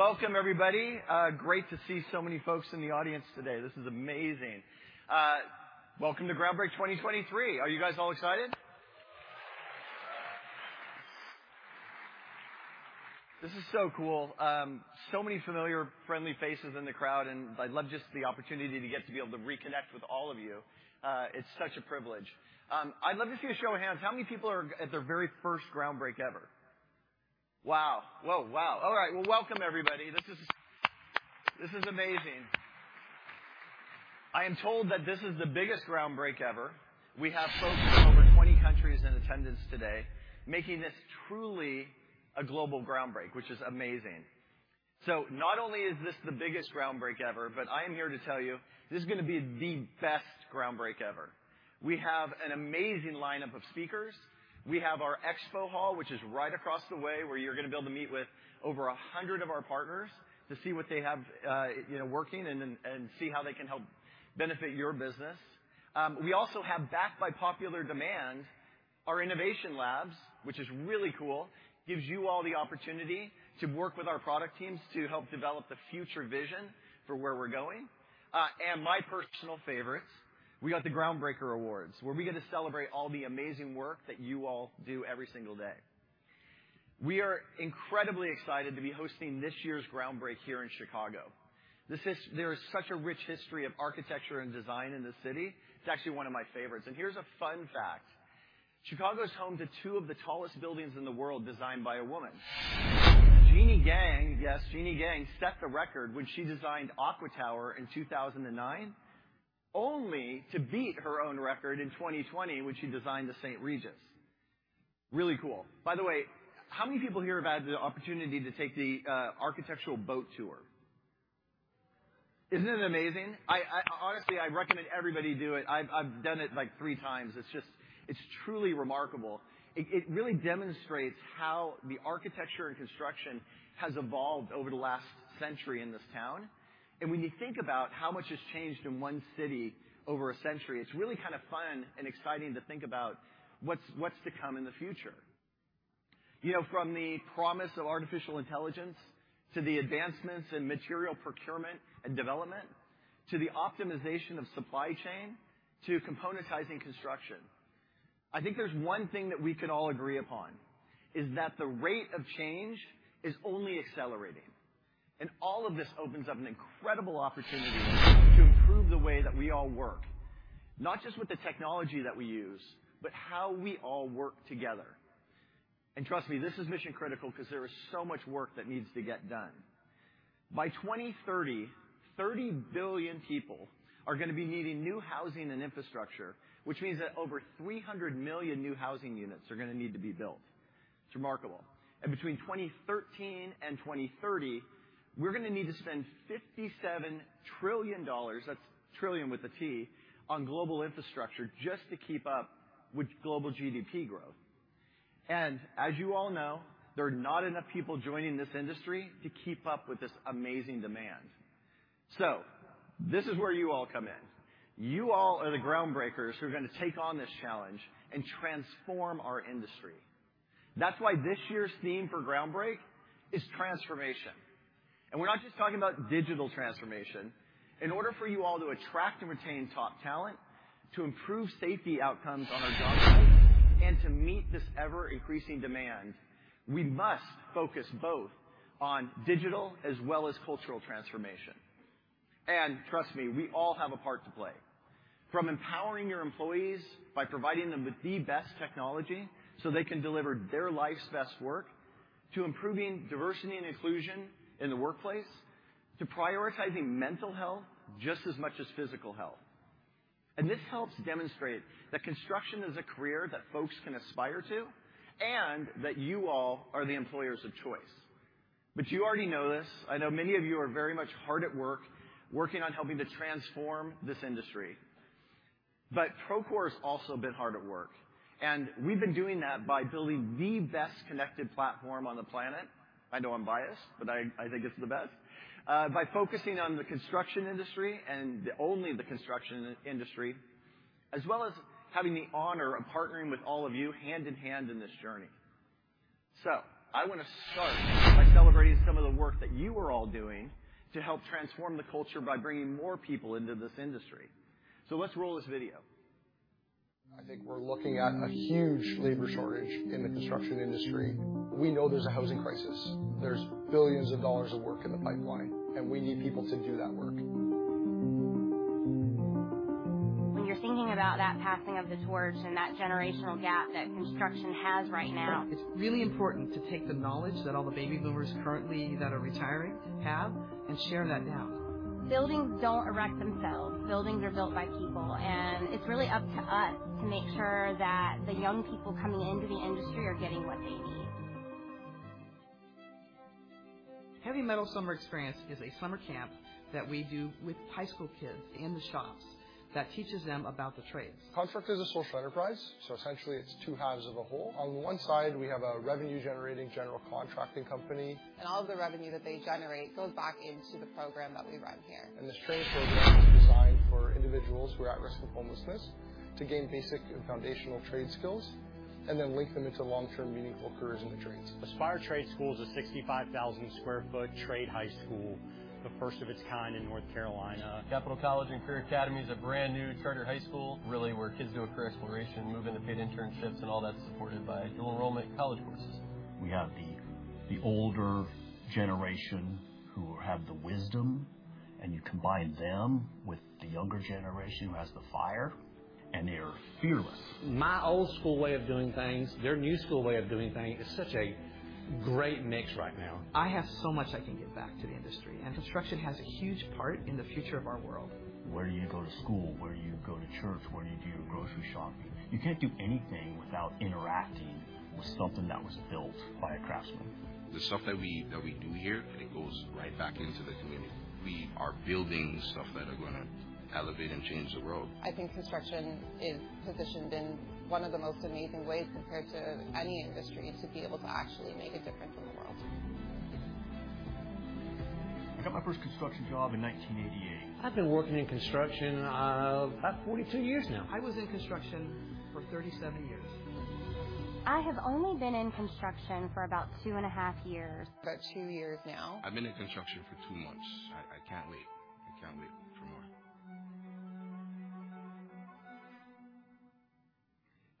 Welcome, everybody. Great to see so many folks in the audience today. This is amazing. Welcome to Groundbreak 2023! Are you guys all excited? This is so cool. So many familiar, friendly faces in the crowd, and I'd love just the opportunity to get to be able to reconnect with all of you. It's such a privilege. I'd love to see a show of hands, how many people are at their very first Groundbreak ever? Wow! Whoa, wow. All right. Well, welcome, everybody. This is, this is amazing. I am told that this is the biggest Groundbreak ever. We have folks from over 20 countries in attendance today, making this truly a global Groundbreak, which is amazing. Not only is this the biggest Groundbreak ever, but I am here to tell you, this is gonna be the best Groundbreak ever. We have an amazing lineup of speakers. We have our Expo Hall, which is right across the way, where you're gonna be able to meet with over 100 of our partners to see what they have, you know, working and then, and see how they can help benefit your business. We also have, back by popular demand, our innovation labs, which is really cool. Gives you all the opportunity to work with our product teams to help develop the future vision for where we're going. My personal favorites, we got the Groundbreaker Awards, where we get to celebrate all the amazing work that you all do every single day. We are incredibly excited to be hosting this year's Groundbreak here in Chicago. This is-- there is such a rich history of architecture and design in this city. It's actually one of my favorites. And here's a fun fact, Chicago is home to two of the tallest buildings in the world, designed by a woman. Jeanne Gang, yes, Jeanne Gang, set the record when she designed Aqua Tower in 2009, only to beat her own record in 2020, when she designed the St. Regis. Really cool. By the way, how many people here have had the opportunity to take the architectural boat tour? Isn't it amazing? I honestly recommend everybody do it. I've done it, like, three times. It's just... It's truly remarkable. It really demonstrates how the architecture and construction has evolved over the last century in this town. And when you think about how much has changed in one city over a century, it's really kind of fun and exciting to think about what's to come in the future. You know, from the promise of artificial intelligence, to the advancements in material procurement and development, to the optimization of supply chain, to componentizing construction. I think there's one thing that we can all agree upon, is that the rate of change is only accelerating, and all of this opens up an incredible opportunity to improve the way that we all work, not just with the technology that we use, but how we all work together. And trust me, this is mission-critical because there is so much work that needs to get done. By 2030, 30 billion people are gonna be needing new housing and infrastructure, which means that over 300 million new housing units are gonna need to be built. It's remarkable. Between 2013 and 2030, we're gonna need to spend $57 trillion, that's trillion with a T, on global infrastructure just to keep up with global GDP growth. As you all know, there are not enough people joining this industry to keep up with this amazing demand. This is where you all come in. You all are the groundbreakers who are gonna take on this challenge and transform our industry. That's why this year's theme for Groundbreak is transformation, and we're not just talking about digital transformation. In order for you all to attract and retain top talent, to improve safety outcomes on our job sites, and to meet this ever-increasing demand, we must focus both on digital as well as cultural transformation. Trust me, we all have a part to play. From empowering your employees by providing them with the best technology, so they can deliver their life's best work, to improving diversity and inclusion in the workplace, to prioritizing mental health just as much as physical health. This helps demonstrate that construction is a career that folks can aspire to, and that you all are the employers of choice. You already know this. I know many of you are very much hard at work, working on helping to transform this industry. Procore has also been hard at work, and we've been doing that by building the best-connected platform on the planet. I know I'm biased, but I think it's the best. By focusing on the construction industry and only the construction in-industry, as well as having the honor of partnering with all of you hand in hand in this journey. I want to start by celebrating some of the work that you are all doing to help transform the culture by bringing more people into this industry. Let's roll this video. I think we're looking at a huge labor shortage in the construction industry. We know there's a housing crisis. There's billions of dollars of work in the pipeline, and we need people to do that work. When you're thinking about that passing of the torch and that generational gap that construction has right now- It's really important to take the knowledge that all the baby boomers currently that are retiring have, and share that now. Buildings don't erect themselves. Buildings are built by people, and it's really up to us to make sure that the young people coming into the industry are getting what they need. Heavy Metal Summer Experience is a summer camp that we do with high school kids in the shops that teaches them about the trades. Uncommon Construction is a social enterprise, so essentially it's two halves of a whole. On the one side, we have a revenue-generating general contracting company. All the revenue that they generate goes back into the program that we run here. This training program is designed for individuals who are at risk of homelessness to gain basic and foundational trade skills.... and then link them into long-term, meaningful careers and trades. Aspire Trade School is a 65,000 sq ft trade high school, the first of its kind in North Carolina. Capital College and Career Academy is a brand new charter high school, really, where kids do a career exploration, move into paid internships, and all that's supported by dual enrollment college courses. We have the older generation who have the wisdom, and you combine them with the younger generation who has the fire, and they are fearless. My old school way of doing things, their new school way of doing things, is such a great mix right now. I have so much I can give back to the industry, and construction has a huge part in the future of our world. Where do you go to school? Where do you go to church? Where do you do your grocery shopping? You can't do anything without interacting with something that was built by a craftsman. The stuff that we, that we do here, it goes right back into the community. We are building stuff that are gonna elevate and change the world. I think construction is positioned in one of the most amazing ways compared to any industry, to be able to actually make a difference in the world. I got my first construction job in 1988. I've been working in construction, about 42 years now. I was in construction for 37 years. I have only been in construction for about two and a half years. About two years now. I've been in construction for two months. I, I can't wait. I can't wait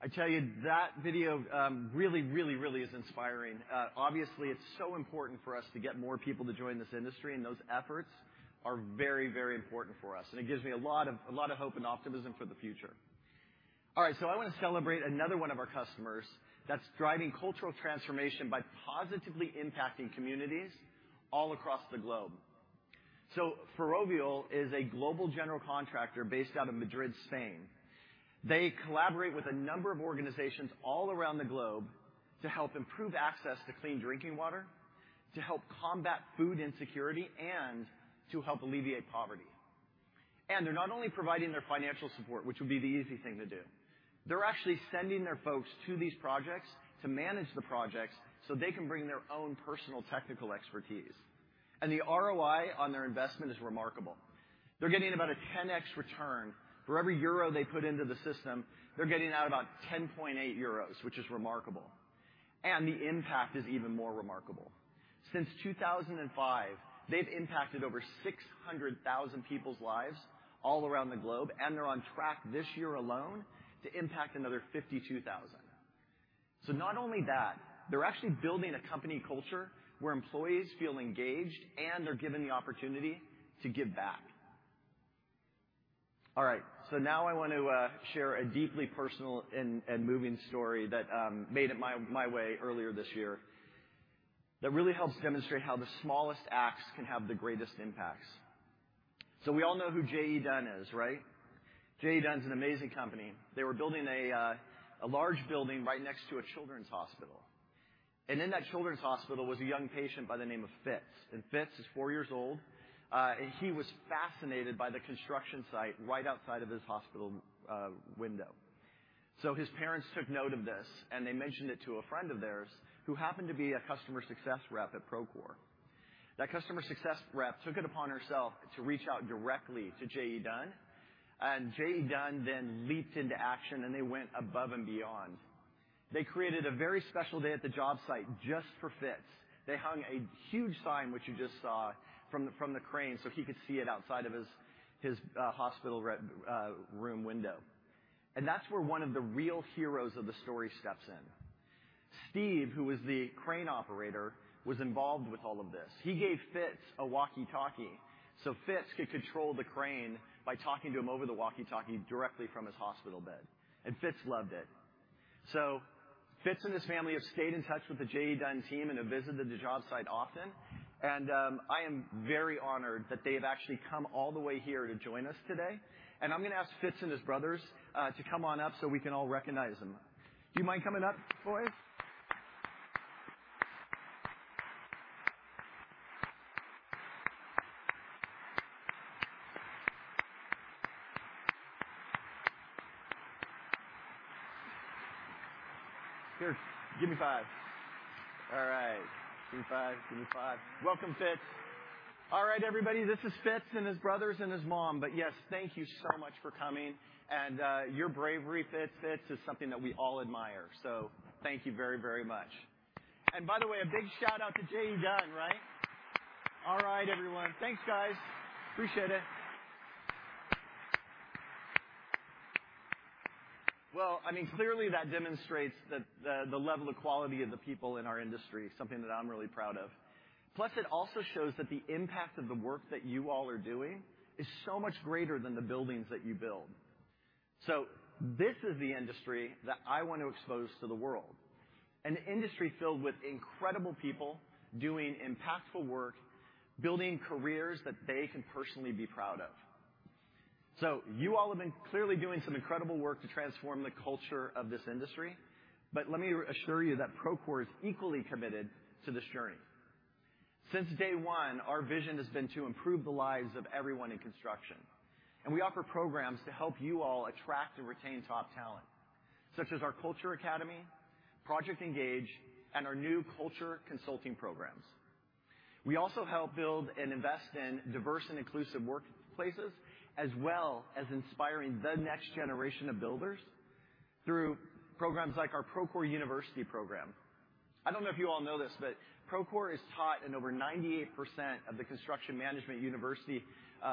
for more. I tell you, that video really, really, really is inspiring. Obviously, it's so important for us to get more people to join this industry, and those efforts are very, very important for us. And it gives me a lot of, a lot of hope and optimism for the future. All right, so I want to celebrate another one of our customers that's driving cultural transformation by positively impacting communities all across the globe. So Ferrovial is a global general contractor based out of Madrid, Spain. They collaborate with a number of organizations all around the globe to help improve access to clean drinking water, to help combat food insecurity, and to help alleviate poverty. They're not only providing their financial support, which would be the easy thing to do, they're actually sending their folks to these projects to manage the projects so they can bring their own personal technical expertise. The ROI on their investment is remarkable. They're getting about a 10x return. For every euro they put into the system, they're getting out about 10.8 euros, which is remarkable. The impact is even more remarkable. Since 2005, they've impacted over 600,000 people's lives all around the globe, and they're on track this year alone to impact another 52,000. Not only that, they're actually building a company culture where employees feel engaged, and they're given the opportunity to give back. All right, so now I want to share a deeply personal and moving story that made it my way earlier this year, that really helps demonstrate how the smallest acts can have the greatest impacts. So we all know who JE Dunn is, right? JE Dunn is an amazing company. They were building a large building right next to a children's hospital. And in that children's hospital was a young patient by the name of Fitz. And Fitz is four years old, and he was fascinated by the construction site right outside of his hospital window. So his parents took note of this, and they mentioned it to a friend of theirs who happened to be a customer success rep at Procore. That customer success rep took it upon herself to reach out directly to JE Dunn, and JE Dunn then leaped into action, and they went above and beyond. They created a very special day at the job site just for Fitz. They hung a huge sign, which you just saw, from the crane, so he could see it outside of his hospital room window. And that's where one of the real heroes of the story steps in. Steve, who was the crane operator, was involved with all of this. He gave Fitz a walkie-talkie, so Fitz could control the crane by talking to him over the walkie-talkie directly from his hospital bed. And Fitz loved it. So Fitz and his family have stayed in touch with the JE Dunn team and have visited the job site often, and I am very honored that they have actually come all the way here to join us today. And I'm gonna ask Fitz and his brothers to come on up so we can all recognize them. Do you mind coming up, boys? Here, give me five. All right, give me five. Give me five. Welcome, Fitz. All right, everybody, this is Fitz and his brothers and his mom. But, yes, thank you so much for coming. And your bravery, Fitz, Fitz, is something that we all admire. So thank you very, very much. And by the way, a big shout-out to JE Dunn, right? All right, everyone. Thanks, guys. Appreciate it. Well, I mean, clearly, that demonstrates the level of quality of the people in our industry, something that I'm really proud of. Plus, it also shows that the impact of the work that you all are doing is so much greater than the buildings that you build. So this is the industry that I want to expose to the world, an industry filled with incredible people doing impactful work, building careers that they can personally be proud of. So you all have been clearly doing some incredible work to transform the culture of this industry, but let me assure you that Procore is equally committed to this journey. Since day one, our vision has been to improve the lives of everyone in construction, and we offer programs to help you all attract and retain top talent, such as our Culture Academy, Project Engage, and our new Culture Consulting programs. We also help build and invest in diverse and inclusive workplaces, as well as inspiring the next generation of builders through programs like our Procore University program. I don't know if you all know this, but Procore is taught in over 98% of the construction management university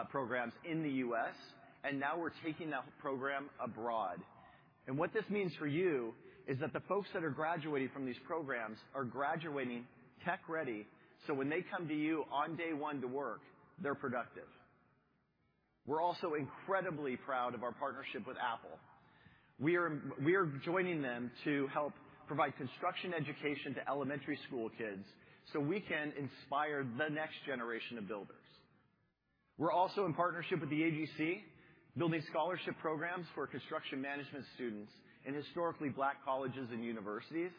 programs in the U.S., and now we're taking that program abroad. And what this means for you is that the folks that are graduating from these programs are graduating tech-ready, so when they come to you on day one to work, they're productive. We're also incredibly proud of our partnership with Apple. We are, we are joining them to help provide construction education to elementary school kids, so we can inspire the next generation of builders. We're also in partnership with the AGC, building scholarship programs for construction management students in historically Black colleges and universities,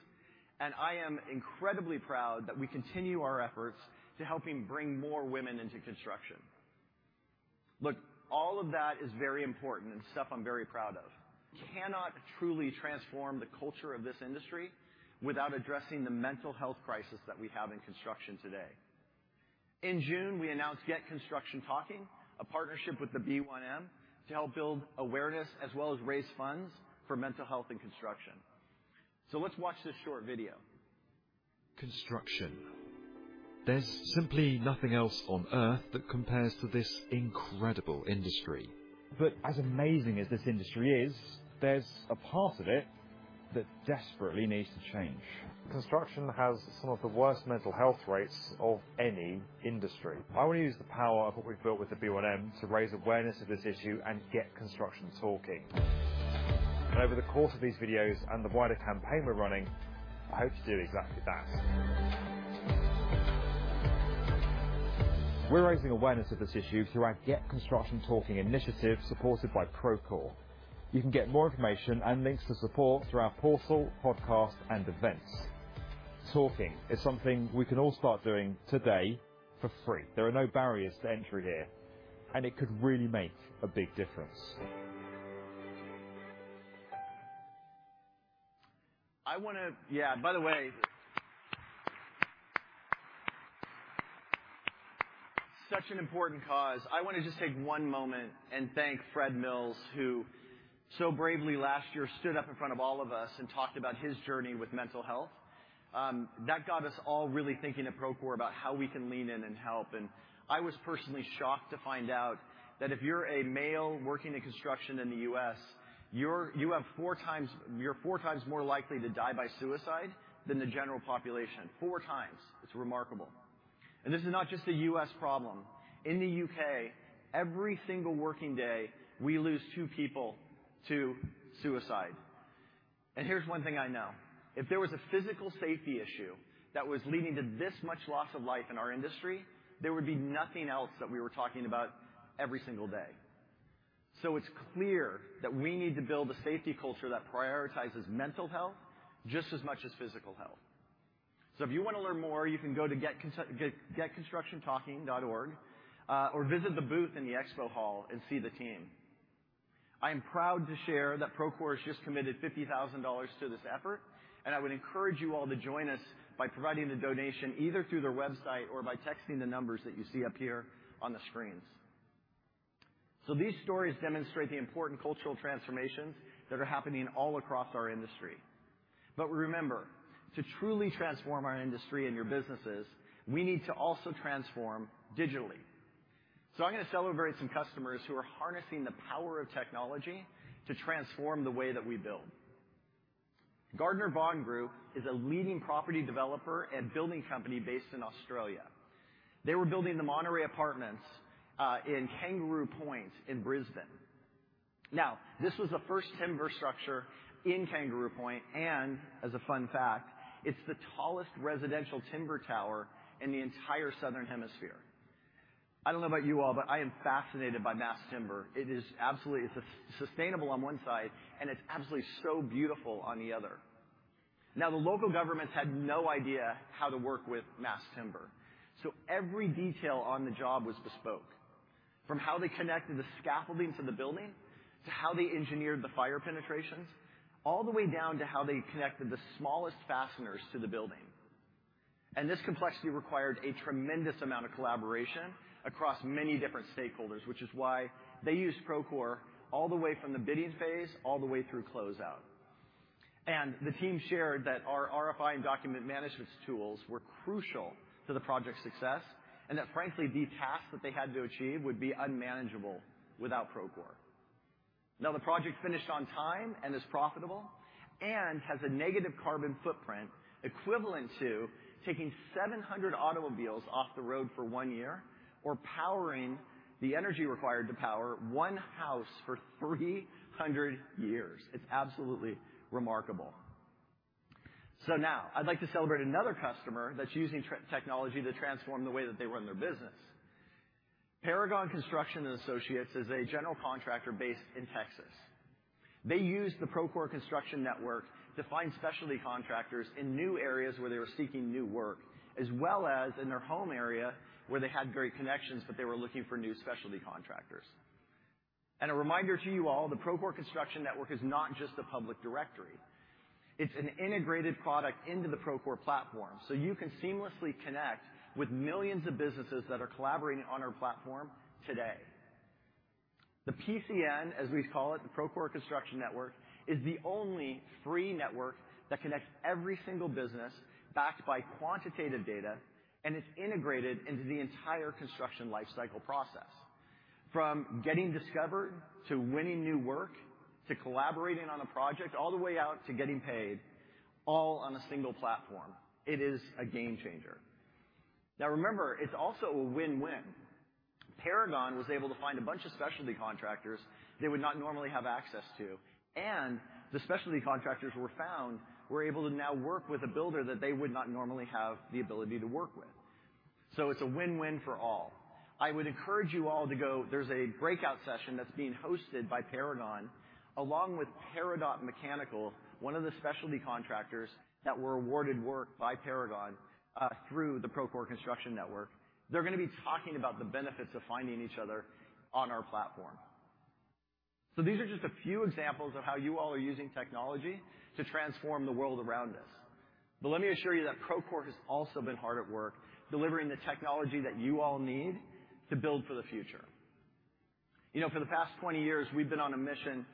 and I am incredibly proud that we continue our efforts to helping bring more women into construction. Look, all of that is very important and stuff I'm very proud of. Cannot truly transform the culture of this industry without addressing the mental health crisis that we have in construction today. In June, we announced Get Construction Talking, a partnership with The B1M, to help build awareness as well as raise funds for mental health in construction. So let's watch this short video. Construction. There's simply nothing else on earth that compares to this incredible industry. But as amazing as this industry is, there's a part of it that desperately needs to change. Construction has some of the worst mental health rates of any industry. I want to use the power of what we've built with The B1M to raise awareness of this issue and get construction talking. And over the course of these videos and the wider campaign we're running, I hope to do exactly that. We're raising awareness of this issue through our Get Construction Talking initiative, supported by Procore. You can get more information and links to support through our portal, podcast, and events. Talking is something we can all start doing today for free. There are no barriers to entry here, and it could really make a big difference. Yeah, by the way, such an important cause. I want to just take one moment and thank Fred Mills, who so bravely last year stood up in front of all of us and talked about his journey with mental health. That got us all really thinking at Procore about how we can lean in and help. And I was personally shocked to find out that if you're a male working in construction in the U.S., you're four times more likely to die by suicide than the general population. Four times. It's remarkable. And this is not just a U.S. problem. In the U.K., every single working day, we lose two people to suicide. Here's one thing I know: If there was a physical safety issue that was leading to this much loss of life in our industry, there would be nothing else that we were talking about every single day. It's clear that we need to build a safety culture that prioritizes mental health just as much as physical health. If you want to learn more, you can go to getconstructiontalking.org or visit the booth in the expo hall and see the team. I am proud to share that Procore has just committed $50,000 to this effort, and I would encourage you all to join us by providing the donation, either through their website or by texting the numbers that you see up here on the screens. These stories demonstrate the important cultural transformations that are happening all across our industry. But remember, to truly transform our industry and your businesses, we need to also transform digitally. So I'm going to celebrate some customers who are harnessing the power of technology to transform the way that we build. Gardner Vaughan Group is a leading property developer and building company based in Australia. They were building the Monterey Apartments in Kangaroo Point in Brisbane. Now, this was the first timber structure in Kangaroo Point, and as a fun fact, it's the tallest residential timber tower in the entire Southern Hemisphere. I don't know about you all, but I am fascinated by mass timber. It is absolutely... It's sustainable on one side, and it's absolutely so beautiful on the other. Now, the local governments had no idea how to work with mass timber, so every detail on the job was bespoke, from how they connected the scaffolding to the building, to how they engineered the fire penetrations, all the way down to how they connected the smallest fasteners to the building. This complexity required a tremendous amount of collaboration across many different stakeholders, which is why they used Procore all the way from the bidding phase, all the way through closeout. The team shared that our RFI and document management tools were crucial to the project's success, and that frankly, the tasks that they had to achieve would be unmanageable without Procore. Now, the project finished on time and is profitable and has a negative carbon footprint equivalent to taking 700 automobiles off the road for 1 year or powering the energy required to power 1 house for 300 years. It's absolutely remarkable. So now I'd like to celebrate another customer that's using technology to transform the way that they run their business. Paragon Construction & Associates is a general contractor based in Texas. They used the Procore Construction Network to find specialty contractors in new areas where they were seeking new work, as well as in their home area, where they had great connections, but they were looking for new specialty contractors. And a reminder to you all, the Procore Construction Network is not just a public directory. It's an integrated product into the Procore platform, so you can seamlessly connect with millions of businesses that are collaborating on our platform today. The PCN, as we call it, the Procore Construction Network, is the only free network that connects every single business, backed by quantitative data, and it's integrated into the entire construction life cycle process. From getting discovered, to winning new work, to collaborating on a project, all the way out to getting paid, all on a single platform. It is a game changer. Now, remember, it's also a win-win. Paragon was able to find a bunch of specialty contractors they would not normally have access to, and the specialty contractors who were found were able to now work with a builder that they would not normally have the ability to work with. So it's a win-win for all. I would encourage you all to go... There's a breakout session that's being hosted by Paragon, along with Peridot Mechanical, one of the specialty contractors that were awarded work by Paragon through the Procore Construction Network. They're gonna be talking about the benefits of finding each other on our platform. These are just a few examples of how you all are using technology to transform the world around us. Let me assure you that Procore has also been hard at work, delivering the technology that you all need to build for the future. You know, for the past 20 years, we've been on a mission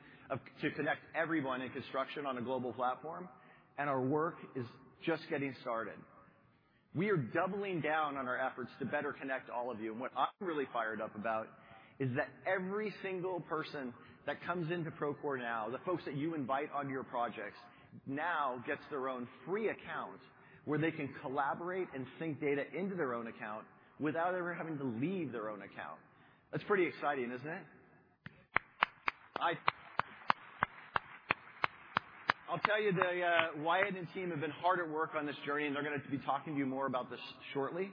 to connect everyone in construction on a global platform, and our work is just getting started. We are doubling down on our efforts to better connect all of you, and what I'm really fired up about is that every single person that comes into Procore now, the folks that you invite on your projects, now gets their own free account, where they can collaborate and sync data into their own account without ever having to leave their own account. That's pretty exciting, isn't it? I'll tell you, the Wyatt and team have been hard at work on this journey, and they're gonna be talking to you more about this shortly.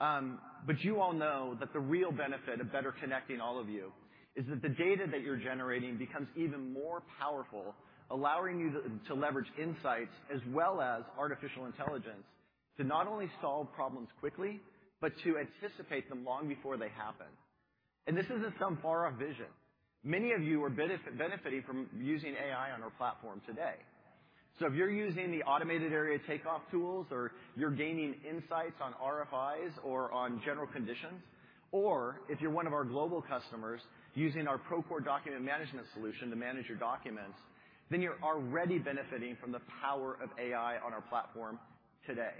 But you all know that the real benefit of better connecting all of you is that the data that you're generating becomes even more powerful, allowing you to leverage insights as well as artificial intelligence to not only solve problems quickly, but to anticipate them long before they happen. This isn't some far-off vision. Many of you are benefiting from using AI on our platform today. If you're using the automated area takeoff tools, or you're gaining insights on RFIs or on general conditions, or if you're one of our global customers using our Procore document management solution to manage your documents, then you're already benefiting from the power of AI on our platform today.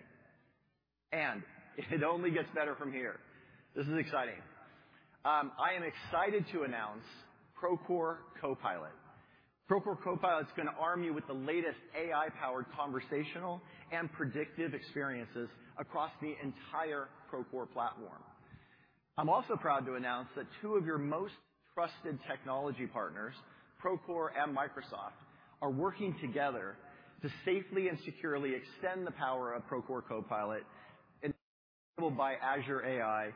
It only gets better from here. This is exciting. I am excited to announce Procore Copilot. Procore Copilot is gonna arm you with the latest AI-powered conversational and predictive experiences across the entire Procore platform. I'm also proud to announce that two of your most trusted technology partners, Procore and Microsoft, are working together to safely and securely extend the power of Procore Copilot, enabled by Azure AI,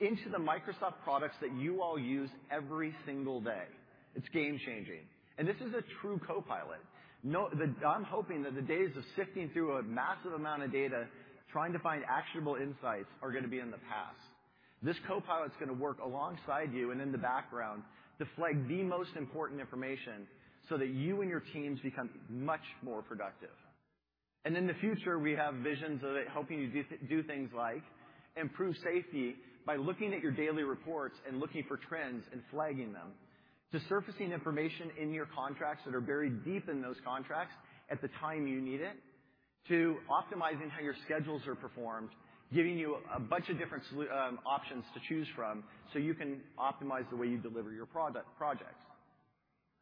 into the Microsoft products that you all use every single day. It's game-changing. And this is a true copilot. I'm hoping that the days of sifting through a massive amount of data, trying to find actionable insights, are gonna be in the past. This copilot's gonna work alongside you and in the background to flag the most important information, so that you and your teams become much more productive. And in the future, we have visions of it helping you do things like improve safety by looking at your daily reports and looking for trends and flagging them, to surfacing information in your contracts that are buried deep in those contracts at the time you need it, to optimizing how your schedules are performed, giving you a bunch of different solutions, options to choose from so you can optimize the way you deliver your projects.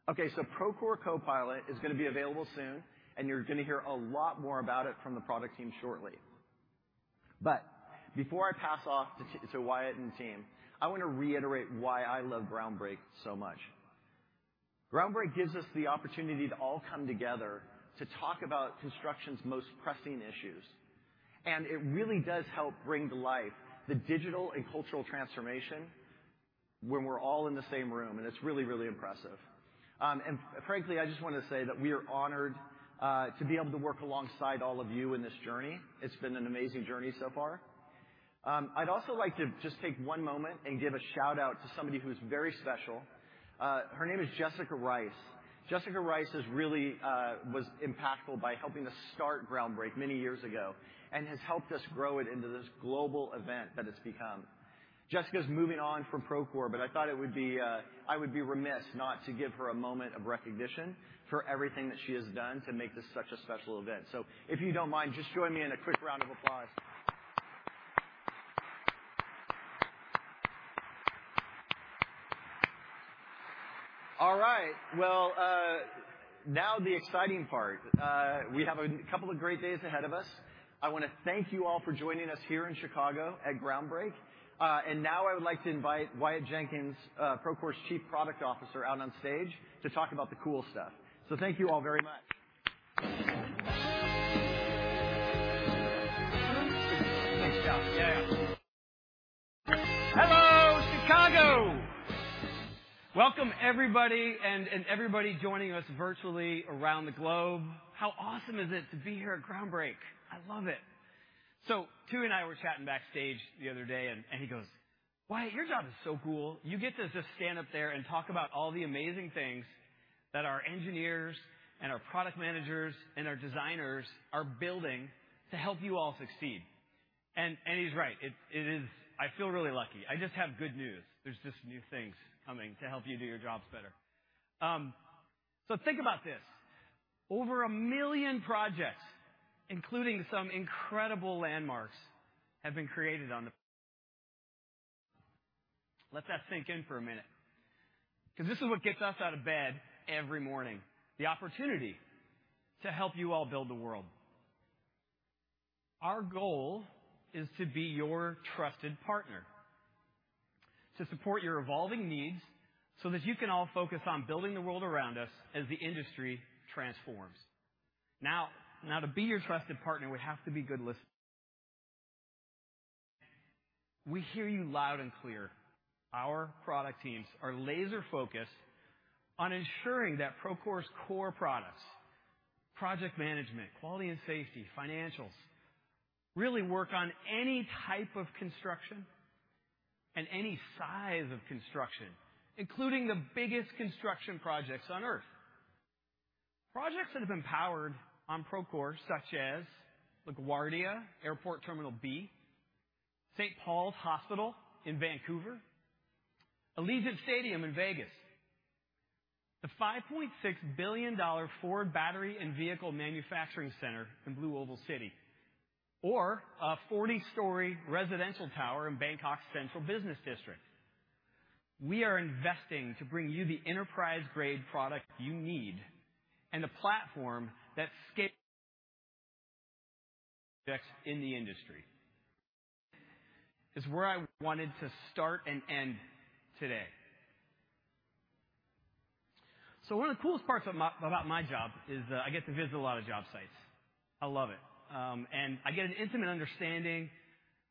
Okay, so Procore Copilot is gonna be available soon, and you're gonna hear a lot more about it from the product team shortly. But before I pass off to Wyatt and team, I want to reiterate why I love Groundbreak so much. Groundbreak gives us the opportunity to all come together to talk about construction's most pressing issues, and it really does help bring to life the digital and cultural transformation when we're all in the same room, and it's really, really impressive. And frankly, I just want to say that we are honored to be able to work alongside all of you in this journey. It's been an amazing journey so far. I'd also like to just take one moment and give a shout-out to somebody who's very special. Her name is Jessica Rice. Jessica Rice is really, was impactful by helping us start Groundbreak many years ago and has helped us grow it into this global event that it's become. Jessica's moving on from Procore, but I thought it would be... I would be remiss not to give her a moment of recognition for everything that she has done to make this such a special event. So if you don't mind, just join me in a quick round of applause. All right. Well, now the exciting part. We have a couple of great days ahead of us. I want to thank you all for joining us here in Chicago at Groundbreak. And now I would like to invite Wyatt Jenkins, Procore's Chief Product Officer, out on stage to talk about the cool stuff. So thank you all very much. Thanks, Tooey. Yeah, yeah. Hello, Chicago! Welcome, everybody, and, and everybody joining us virtually around the globe. How awesome is it to be here at Groundbreak? I love it. ...So Tui and I were chatting backstage the other day, and he goes, "Wyatt, your job is so cool. You get to just stand up there and talk about all the amazing things that our engineers and our product managers and our designers are building to help you all succeed." And he's right. It is. I feel really lucky. I just have good news. There's just new things coming to help you do your jobs better. So think about this. Over one million projects, including some incredible landmarks, have been created on the. Let that sink in for a minute, 'cause this is what gets us out of bed every morning, the opportunity to help you all build the world. Our goal is to be your trusted partner, to support your evolving needs, so that you can all focus on building the world around us as the industry transforms. Now, to be your trusted partner, we have to be good listeners. We hear you loud and clear. Our product teams are laser-focused on ensuring that Procore's core products, project management, quality and safety, financials, really work on any type of construction and any size of construction, including the biggest construction projects on Earth. Projects that have been powered on Procore, such as LaGuardia Airport Terminal B, St. Paul's Hospital in Vancouver, Allegiant Stadium in Vegas, the $5.6 billion Ford Battery and Vehicle Manufacturing Center in BlueOval City, or a 40-story residential tower in Bangkok's central business district. We are investing to bring you the enterprise-grade product you need and the platform that scales in the industry. Is where I wanted to start and end today. One of the coolest parts about my job is that I get to visit a lot of job sites. I love it. I get an intimate understanding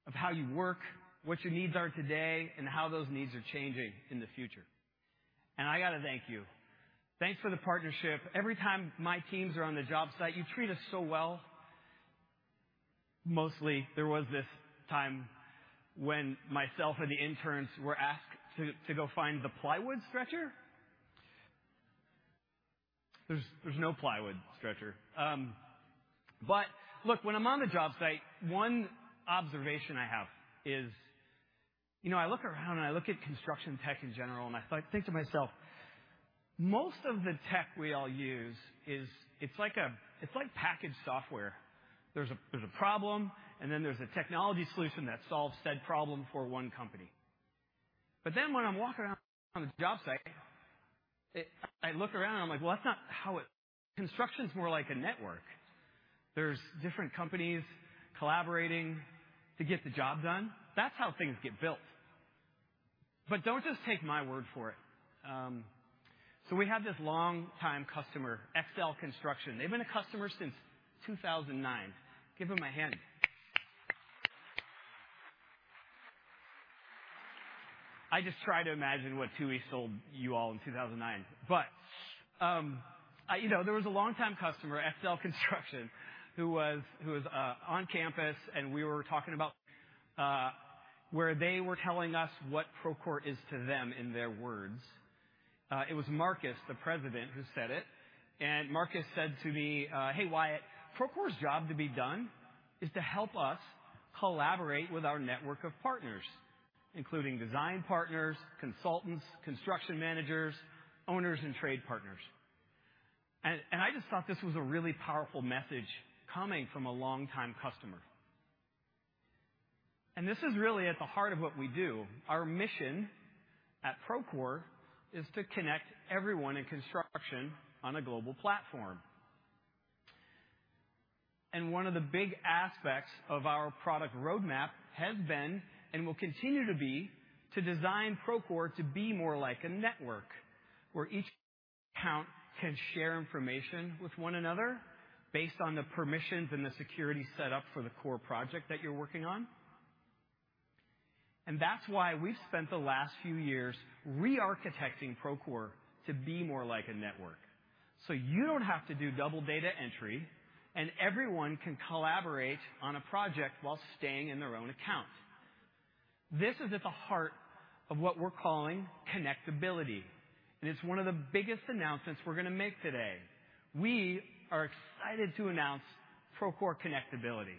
of how you work, what your needs are today, and how those needs are changing in the future. I got to thank you. Thanks for the partnership. Every time my teams are on the job site, you treat us so well. Mostly, there was this time when myself and the interns were asked to go find the plywood stretcher. There's no plywood stretcher. But look, when I'm on a job site, one observation I have is, you know, I look around, and I look at construction tech in general, and I think to myself, "Most of the tech we all use is, it's like packaged software. There's a problem, and then there's a technology solution that solves said problem for one company." But then, when I'm walking around on the job site, it. I look around, and I'm like, "Well, that's not how it. Construction's more like a network." There's different companies collaborating to get the job done. That's how things get built. But don't just take my word for it. So we have this long-time customer, XL Construction. They've been a customer since 2009. Give them a hand. I just try to imagine what Tui sold you all in 2009. But, you know, there was a long-time customer, XL Construction, who was, who was, on campus, and we were talking about, where they were telling us what Procore is to them in their words. It was Marcus, the president, who said it, and Marcus said to me, "Hey, Wyatt, Procore's job to be done is to help us collaborate with our network of partners, including design partners, consultants, construction managers, owners, and trade partners." And, and I just thought this was a really powerful message coming from a long-time customer. And this is really at the heart of what we do. Our mission at Procore is to connect everyone in construction on a global platform, One of the big aspects of our product roadmap has been, and will continue to be, to design Procore to be more like a network, where each account can share information with one another based on the permissions and the security set up for the core project that you're working on. That's why we've spent the last few years re-architecting Procore to be more like a network. You don't have to do double data entry, and everyone can collaborate on a project while staying in their own account. This is at the heart of what we're calling connectability, and it's one of the biggest announcements we're going to make today. We are excited to announce Procore Connectability.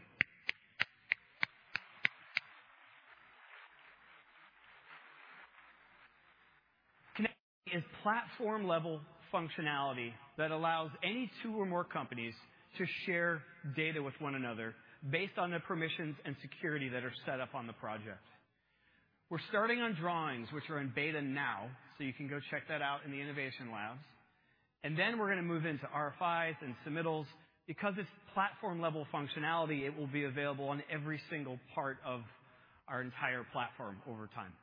Connect is platform-level functionality that allows any two or more companies to share data with one another based on the permissions and security that are set up on the project. We're starting on drawings, which are in beta now, so you can go check that out in the innovation labs. And then, we're going to move into RFIs and submittals. Because it's platform-level functionality, it will be available on every single part of our entire platform over time.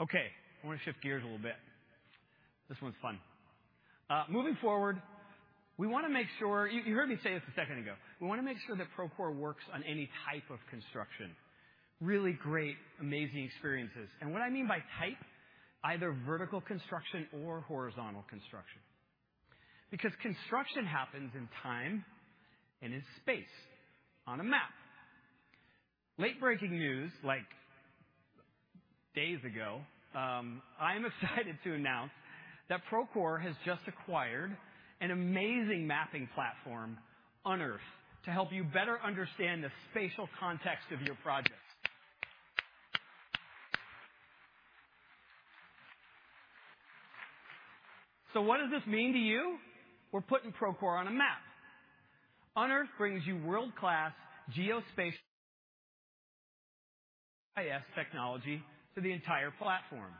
Okay, I want to shift gears a little bit. This one's fun. Moving forward, we want to make sure... You heard me say this a second ago. We want to make sure that Procore works on any type of construction. Really great, amazing experiences. And what I mean by type-... either vertical construction or horizontal construction. Because construction happens in time and in space on a map. Late-breaking news, like days ago, I'm excited to announce that Procore has just acquired an amazing mapping platform, Unearth, to help you better understand the spatial context of your projects. So what does this mean to you? We're putting Procore on a map. Unearth brings you world-class geospatial GIS technology to the entire platform.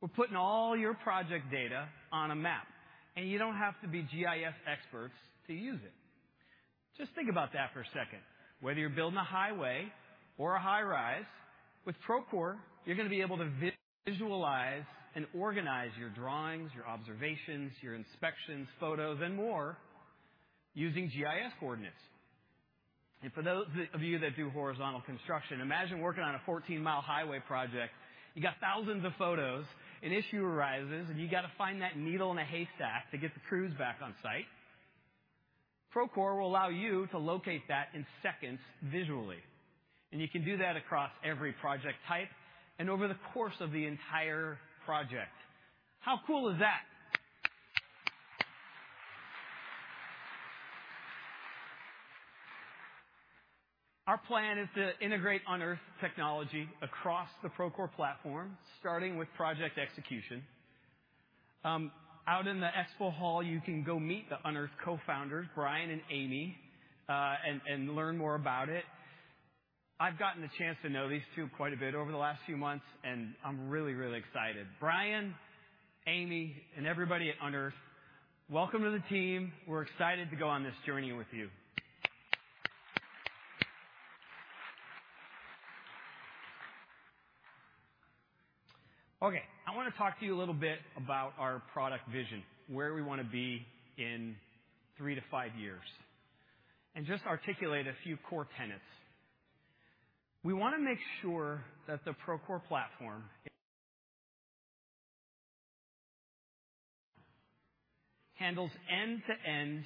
We're putting all your project data on a map, and you don't have to be GIS experts to use it. Just think about that for a second. Whether you're building a highway or a high rise, with Procore, you're going to be able to visualize and organize your drawings, your observations, your inspections, photos, and more using GIS coordinates. For those of you that do horizontal construction, imagine working on a 14-mile highway project. You got thousands of photos. An issue arises, and you got to find that needle in a haystack to get the crews back on site. Procore will allow you to locate that in seconds visually, and you can do that across every project type and over the course of the entire project. How cool is that? Our plan is to integrate Unearth technology across the Procore platform, starting with project execution. Out in the expo hall, you can go meet the Unearth cofounders, Brian and Amy, and learn more about it. I've gotten the chance to know these two quite a bit over the last few months, and I'm really, really excited. Brian, Amy, and everybody at Unearth, welcome to the team. We're excited to go on this journey with you. Okay, I want to talk to you a little bit about our product vision, where we want to be in 3-5 years, and just articulate a few core tenets. We want to make sure that the Procore platform handles end-to-end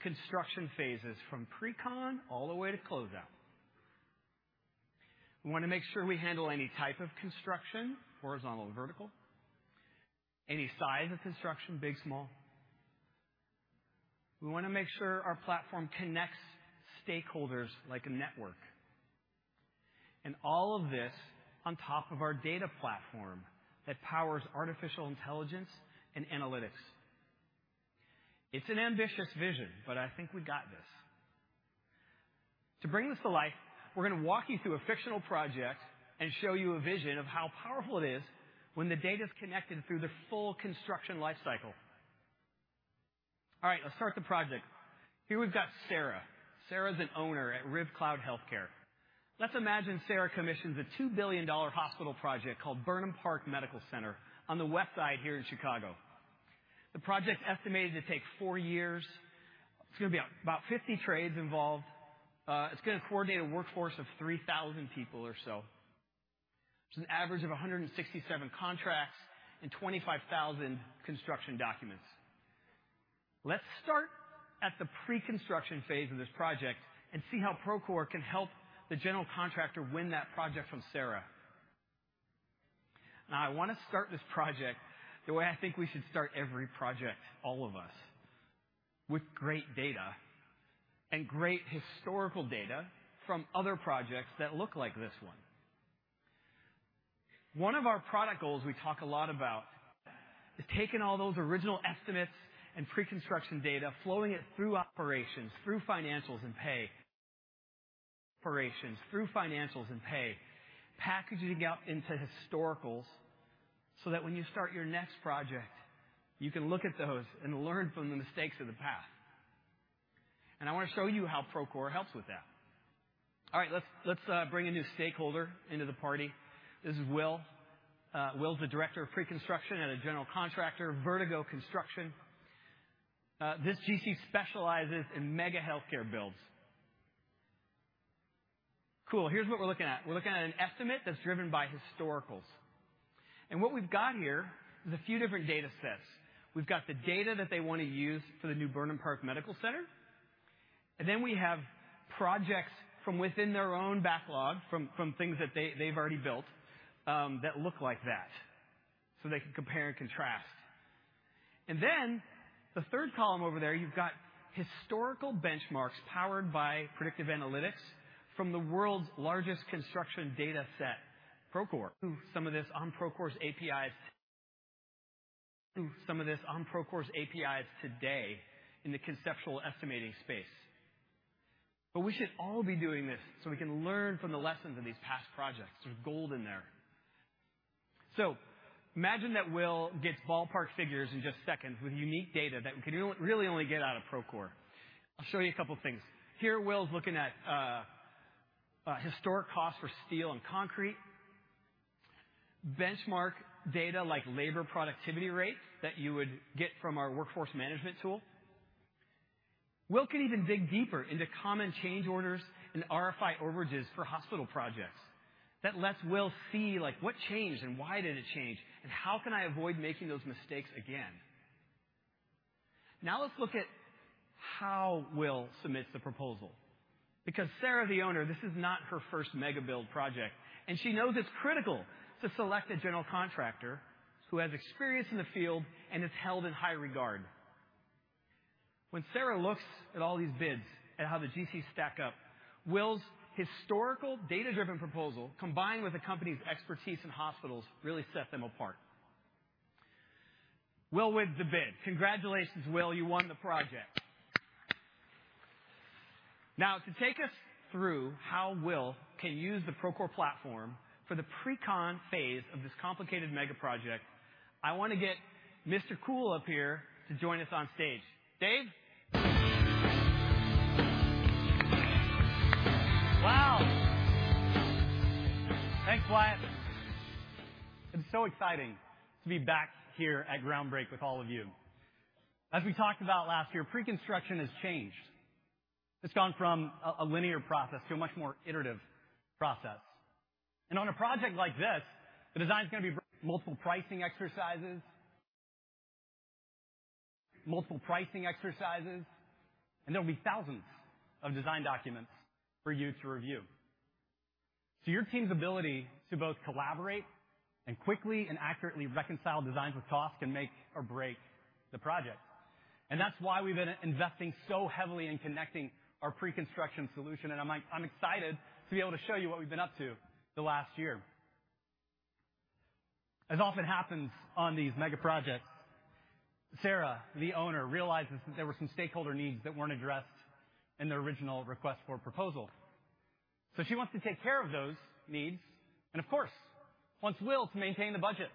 construction phases from pre-con all the way to closeout. We want to make sure we handle any type of construction, horizontal and vertical, any size of construction, big, small. We want to make sure our platform connects stakeholders like a network, and all of this on top of our data platform that powers artificial intelligence and analytics. It's an ambitious vision, but I think we got this. To bring this to life, we're going to walk you through a fictional project and show you a vision of how powerful it is when the data's connected through the full construction life cycle. All right, let's start the project. Here, we've got Sarah. Sarah's an owner at RibCloud Healthcare. Let's imagine Sarah commissions a $2 billion hospital project called Burnham Park Medical Center on the West Side here in Chicago. The project's estimated to take 4 years. It's going to be about 50 trades involved. It's going to coordinate a workforce of 3,000 people or so. It's an average of 167 contracts and 25,000 construction documents. Let's start at the pre-construction phase of this project and see how Procore can help the general contractor win that project from Sarah. Now, I want to start this project the way I think we should start every project, all of us, with great data and great historical data from other projects that look like this one. One of our product goals we talk a lot about is taking all those original estimates and preconstruction data, flowing it through operations, through financials, and pay, packaging it out into historicals, so that when you start your next project, you can look at those and learn from the mistakes of the past. I want to show you how Procore helps with that. All right, let's bring a new stakeholder into the party. This is Will. Will's the director of preconstruction at a general contractor, Vertigo Construction. This GC specializes in mega healthcare builds. Cool. Here's what we're looking at. We're looking at an estimate that's driven by historicals, and what we've got here is a few different data sets. We've got the data that they want to use for the new Burnham Park Medical Center, and then we have projects from within their own backlog, from things that they, they've already built, that look like that, so they can compare and contrast. And then the third column over there, you've got historical benchmarks powered by predictive analytics from the world's largest construction data set, Procore. Some of this on Procore's APIs today in the conceptual estimating space. But we should all be doing this so we can learn from the lessons of these past projects. There's gold in there. So imagine that Will gets ballpark figures in just seconds with unique data that we can only, really only get out of Procore. I'll show you a couple of things. Here, Will's looking at historic costs for steel and concrete, benchmark data like labor productivity rates that you would get from our workforce management tool. Will can even dig deeper into common change orders and RFI overages for hospital projects. That lets Will see, like, what changed and why did it change, and how can I avoid making those mistakes again? Now let's look at how Will submits the proposal, because Sarah, the owner, this is not her first mega build project, and she knows it's critical to select a general contractor who has experience in the field and is held in high regard. When Sarah looks at all these bids and how the GCs stack up, Will's historical data-driven proposal, combined with the company's expertise in hospitals, really set them apart. Will wins the bid. Congratulations, Will, you won the project. Now, to take us through how Will can use the Procore platform for the pre-con phase of this complicated mega project, I want to get Mr. Cool up here to join us on stage. Dave? Wow! Thanks, Wyatt. It's so exciting to be back here at Groundbreak with all of you. As we talked about last year, pre-construction has changed. It's gone from a linear process to a much more iterative process. And on a project like this, the design is going to be multiple pricing exercises, multiple pricing exercises, and there will be thousands of design documents for you to review. So your team's ability to both collaborate and quickly and accurately reconcile designs with costs can make or break the project. And that's why we've been investing so heavily in connecting our preconstruction solution, and I'm excited to be able to show you what we've been up to the last year. As often happens on these mega projects, Sarah, the owner, realizes that there were some stakeholder needs that weren't addressed in the original request for proposal. So she wants to take care of those needs and, of course, wants Will to maintain the budget.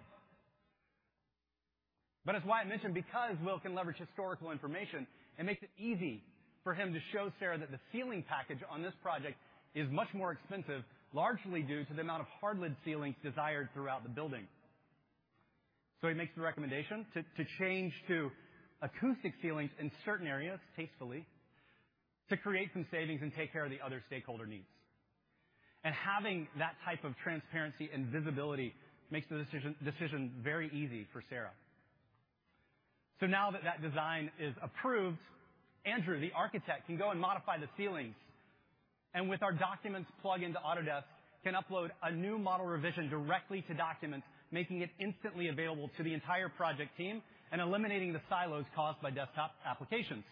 But as Wyatt mentioned, because Will can leverage historical information, it makes it easy for him to show Sarah that the ceiling package on this project is much more expensive, largely due to the amount of hard lid ceilings desired throughout the building. So he makes the recommendation to change to acoustic ceilings in certain areas, tastefully, to create some savings and take care of the other stakeholder needs. And having that type of transparency and visibility makes the decision very easy for Sarah. So now that that design is approved, Andrew, the architect, can go and modify the ceilings, and with our Documents plugin to Autodesk, can upload a new model revision directly to Documents, making it instantly available to the entire project team and eliminating the silos caused by desktop applications.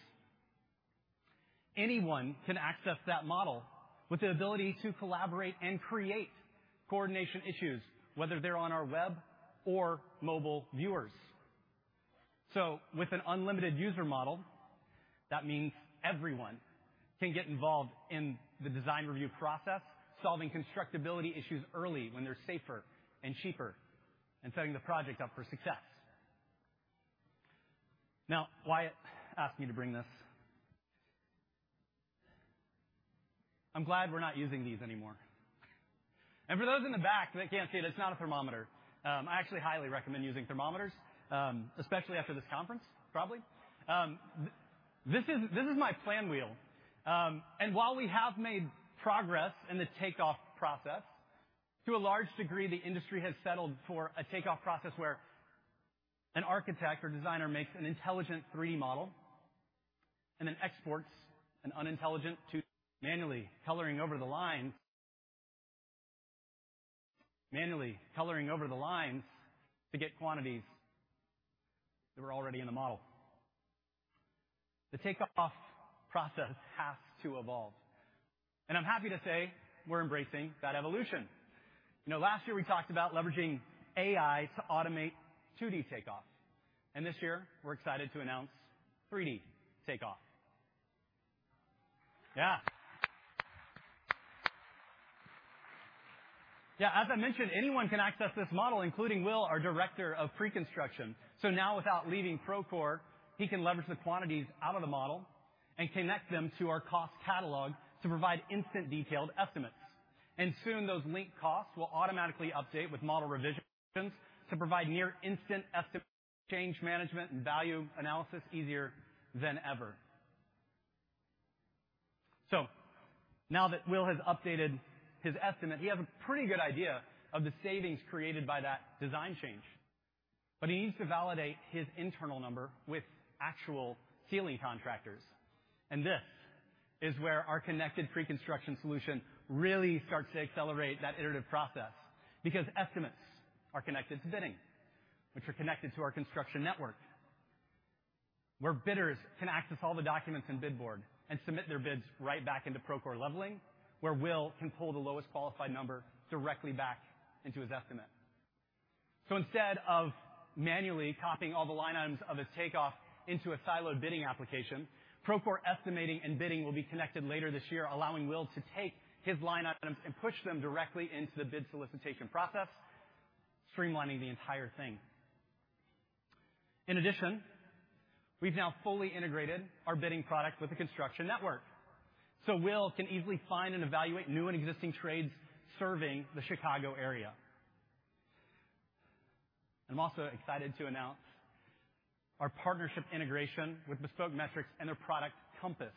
Anyone can access that model with the ability to collaborate and create coordination issues, whether they're on our web or mobile viewers. So with an unlimited user model, that means everyone can get involved in the design review process, solving constructability issues early when they're safer and cheaper, and setting the project up for success. Now, Wyatt asked me to bring this. I'm glad we're not using these anymore. And for those in the back that can't see it, it's not a thermometer. I actually highly recommend using thermometers, especially after this conference, probably. This is, this is my plan wheel. While we have made progress in the takeoff process, to a large degree, the industry has settled for a takeoff process where an architect or designer makes an intelligent 3D model and then exports an unintelligent to manually coloring over the lines, manually coloring over the lines to get quantities that were already in the model. The takeoff process has to evolve, and I'm happy to say we're embracing that evolution. You know, last year we talked about leveraging AI to automate 2D takeoff, and this year, we're excited to announce 3D takeoff. Yeah. Yeah, as I mentioned, anyone can access this model, including Will, our Director of Preconstruction. Now, without leaving Procore, he can leverage the quantities out of the model and connect them to our cost catalog to provide instant, detailed estimates. Soon, those linked costs will automatically update with model revisions to provide near-instant estimate, change management, and value analysis easier than ever. Now that Will has updated his estimate, he has a pretty good idea of the savings created by that design change, but he needs to validate his internal number with actual ceiling contractors. This is where our connected preconstruction solution really starts to accelerate that iterative process, because estimates are connected to bidding, which are connected to our construction network, where bidders can access all the documents in Bid Board and submit their bids right back into Procore Leveling, where Will can pull the lowest qualified number directly back into his estimate. Instead of manually copying all the line items of his takeoff into a siloed bidding application, Procore estimating and bidding will be connected later this year, allowing Will to take his line items and push them directly into the bid solicitation process, streamlining the entire thing. In addition, we've now fully integrated our bidding product with the Construction Network, so Will can easily find and evaluate new and existing trades serving the Chicago area. I'm also excited to announce our partnership integration with Bespoke Metrics and their product, Compass,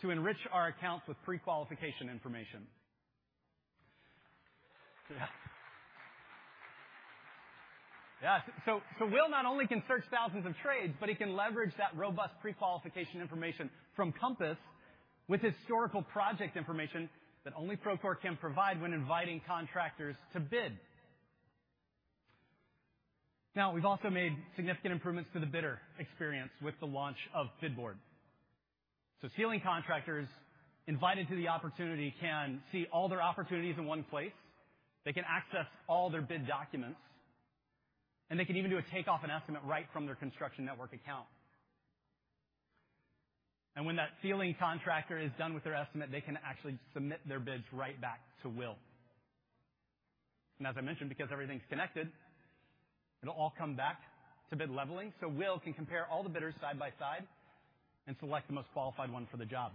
to enrich our accounts with pre-qualification information. Yeah. Will not only can search thousands of trades, but he can leverage that robust pre-qualification information from Compass with historical project information that only Procore can provide when inviting contractors to bid. Now, we've also made significant improvements to the bidder experience with the launch of Bid Board. Ceiling contractors invited to the opportunity can see all their opportunities in one place. They can access all their bid documents, and they can even do a takeoff and estimate right from their Construction Network account. When that ceiling contractor is done with their estimate, they can actually submit their bids right back to Will. As I mentioned, because everything's connected, it'll all come back to bid leveling, so Will can compare all the bidders side by side and select the most qualified one for the job.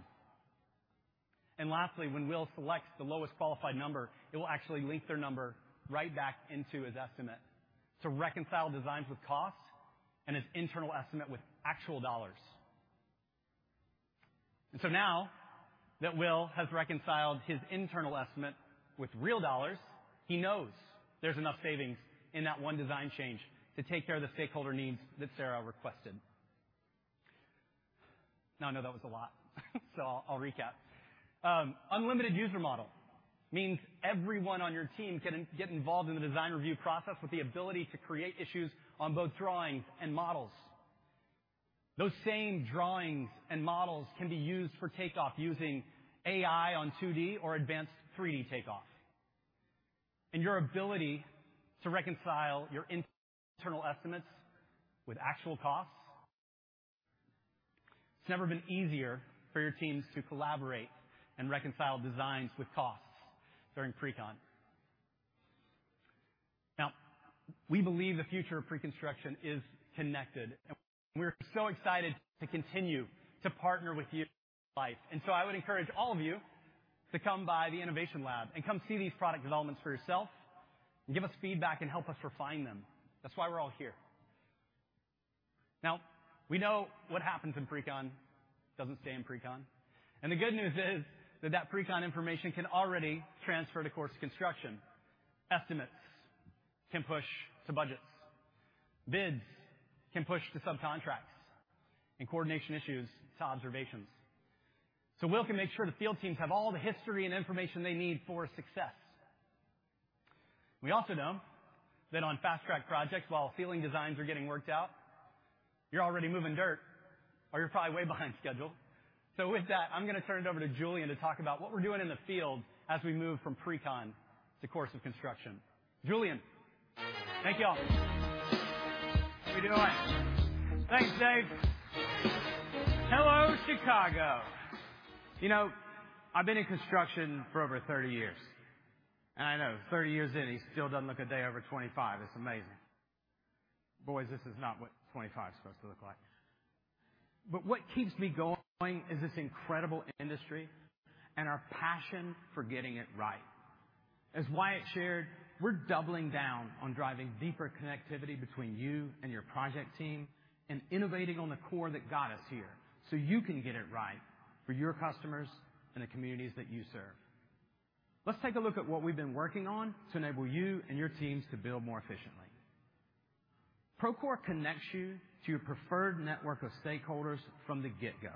Lastly, when Will selects the lowest qualified number, it will actually link their number right back into his estimate to reconcile designs with costs and his internal estimate with actual dollars. And so now that Will has reconciled his internal estimate with real dollars, he knows there's enough savings in that one design change to take care of the stakeholder needs that Sarah requested. Now, I know that was a lot, so I'll recap. Unlimited user model means everyone on your team can get involved in the design review process with the ability to create issues on both drawings and models. Those same drawings and models can be used for takeoff using AI on 2D or advanced 3D takeoff. And your ability to reconcile your internal estimates with actual costs. It's never been easier for your teams to collaborate and reconcile designs with costs during pre-con. Now, we believe the future of pre-construction is connected, and we're so excited to continue to partner with you life. And so I would encourage all of you to come by the innovation lab and come see these product developments for yourself and give us feedback and help us refine them. That's why we're all here. Now, we know what happens in pre-con, doesn't stay in pre-con. And the good news is that that pre-con information can already transfer to course of construction. Estimates can push to budgets, bids can push to subcontracts, and coordination issues to observations. So Will can make sure the field teams have all the history and information they need for success. We also know that on fast-track projects, while ceiling designs are getting worked out, you're already moving dirt, or you're probably way behind schedule. So with that, I'm going to turn it over to Julian to talk about what we're doing in the field as we move from pre-con to course of construction. Julian. Thank you all. How we doing? Thanks, Dave. Hello, Chicago. You know, I've been in construction for over 30 years, and I know, 30 years in, he still doesn't look a day over 25. It's amazing. Boys, this is not what 25 is supposed to look like. But what keeps me going is this incredible industry and our passion for getting it right. As Wyatt shared, we're doubling down on driving deeper connectivity between you and your project team and innovating on the core that got us here, so you can get it right for your customers and the communities that you serve. Let's take a look at what we've been working on to enable you and your teams to build more efficiently. Procore connects you to your preferred network of stakeholders from the get-go.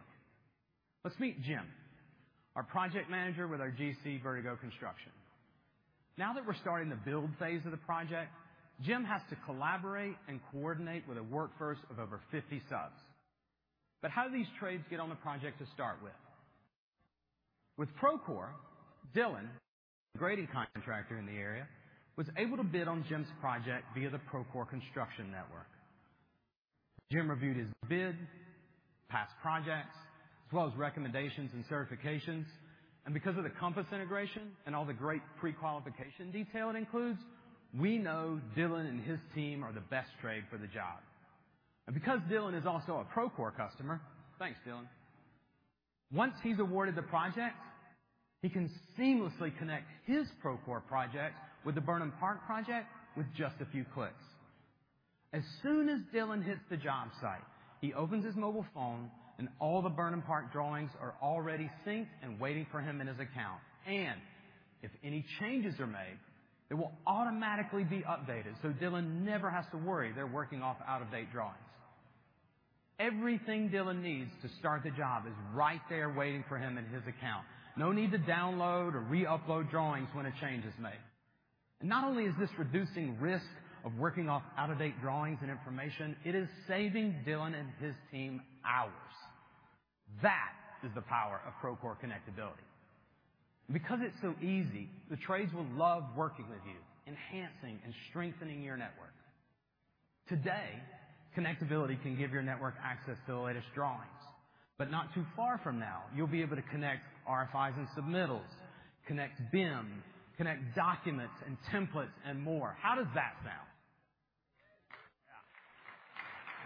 Let's meet Jim, our project manager with our GC, Vertigo Construction. Now that we're starting the build phase of the project, Jim has to collaborate and coordinate with a workforce of over 50 subs. But how do these trades get on the project to start with? With Procore, Dylan, grading contractor in the area, was able to bid on Jim's project via the Procore Construction Network. Jim reviewed his bid, past projects, as well as recommendations and certifications, and because of the Compass integration and all the great pre-qualification detail it includes, we know Dylan and his team are the best trade for the job. And because Dylan is also a Procore customer, thanks, Dylan. Once he's awarded the project, he can seamlessly connect his Procore project with the Burnham Park project with just a few clicks. As soon as Dylan hits the job site, he opens his mobile phone, and all the Burnham Park drawings are already synced and waiting for him in his account. And if any changes are made, they will automatically be updated, so Dylan never has to worry they're working off out-of-date drawings. Everything Dylan needs to start the job is right there waiting for him in his account. No need to download or re-upload drawings when a change is made. Not only is this reducing risk of working off out-of-date drawings and information, it is saving Dylan and his team hours. That is the power of Procore connectability. Because it's so easy, the trades will love working with you, enhancing and strengthening your network. Today, connectability can give your network access to the latest drawings, but not too far from now, you'll be able to connect RFIs and submittals, connect BIM, connect documents and templates, and more. How does that sound?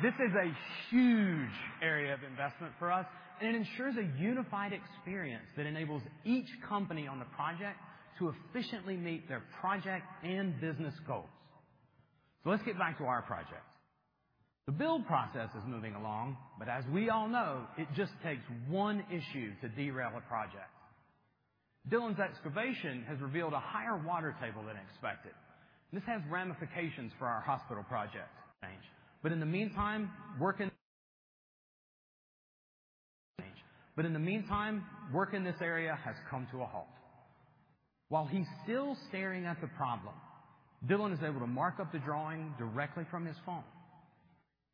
This is a huge area of investment for us, and it ensures a unified experience that enables each company on the project to efficiently meet their project and business goals. So let's get back to our project. The build process is moving along, but as we all know, it just takes one issue to derail a project. Dylan's excavation has revealed a higher water table than expected. This has ramifications for our hospital project change, but in the meantime, work in this area has come to a halt. While he's still staring at the problem, Dylan is able to mark up the drawing directly from his phone.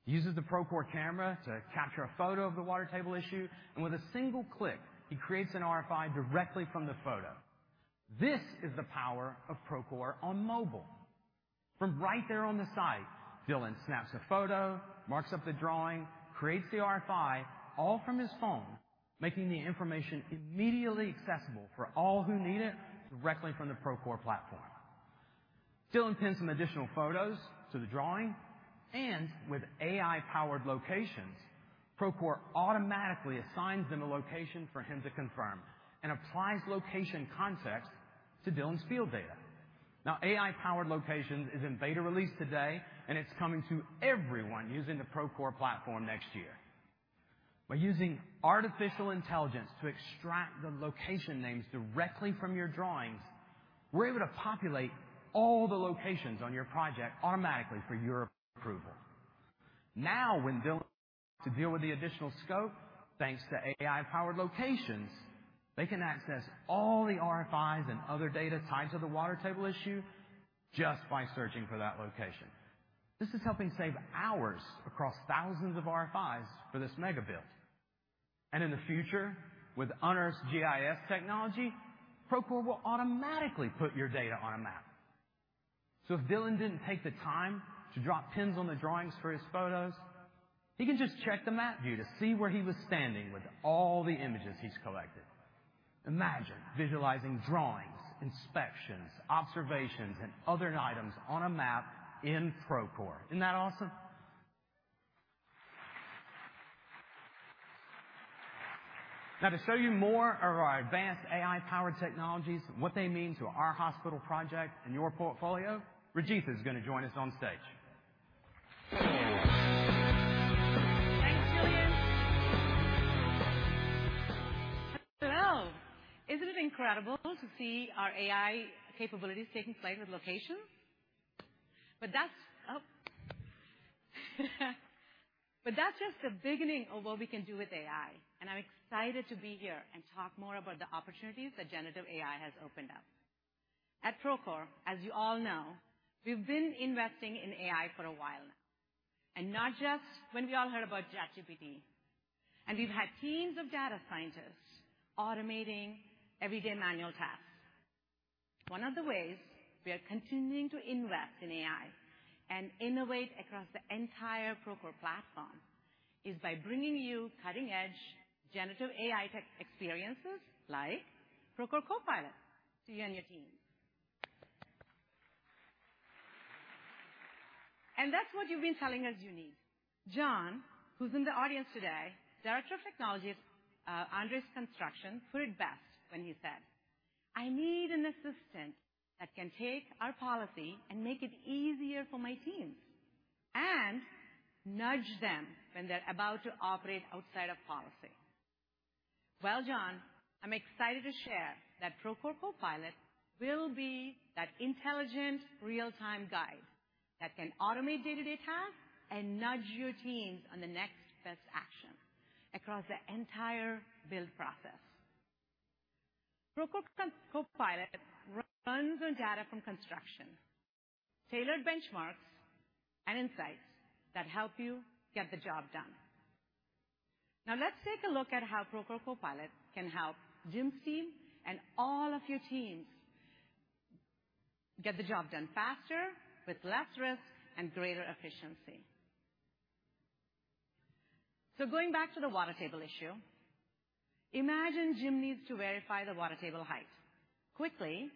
He uses the Procore camera to capture a photo of the water table issue, and with a single click, he creates an RFI directly from the photo. This is the power of Procore on mobile. From right there on the site, Dylan snaps a photo, marks up the drawing, creates the RFI, all from his phone, making the information immediately accessible for all who need it directly from the Procore platform. Dylan pins some additional photos to the drawing, and with AI-powered locations, Procore automatically assigns them a location for him to confirm and applies location context to Dylan's field data. Now, AI-powered locations is in beta release today, and it's coming to everyone using the Procore platform next year. By using artificial intelligence to extract the location names directly from your drawings, we're able to populate all the locations on your project automatically for your approval. Now, when Dylan- to deal with the additional scope, thanks to AI-powered locations, they can access all the RFIs and other data tied to the water table issue just by searching for that location. This is helping save hours across thousands of RFIs for this mega build. In the future, with Unearth's GIS technology, Procore will automatically put your data on a map. If Dylan didn't take the time to drop pins on the drawings for his photos, he can just check the map view to see where he was standing with all the images he's collected. Imagine visualizing drawings, inspections, observations, and other items on a map in Procore. Isn't that awesome? Now, to show you more of our advanced AI-powered technologies and what they mean to our hospital project and your portfolio, Rajitha is going to join us on stage. Thanks, Dylan! Hello. Isn't it incredible to see our AI capabilities taking flight with locations? But that's just the beginning of what we can do with AI, and I'm excited to be here and talk more about the opportunities that generative AI has opened up. At Procore, as you all know, we've been investing in AI for a while now, and not just when we all heard about ChatGPT. And we've had teams of data scientists automating everyday manual tasks. One of the ways we are continuing to invest in AI and innovate across the entire Procore platform is by bringing you cutting-edge generative AI tech experiences like Procore Copilot to you and your team. And that's what you've been telling us you need. John, who's in the audience today, Director of Technology at ANDRES Construction, put it best when he said, "I need an assistant that can take our policy and make it easier for my teams and nudge them when they're about to operate outside of policy." Well, John, I'm excited to share that Procore Copilot will be that intelligent, real-time guide that can automate day-to-day tasks and nudge your teams on the next best action across the entire build process. Procore Copilot runs on data from construction, tailored benchmarks, and insights that help you get the job done. Now, let's take a look at how Procore Copilot can help Jim's team and all of your teams get the job done faster, with less risk and greater efficiency. So going back to the water table issue, imagine Jim needs to verify the water table height quickly,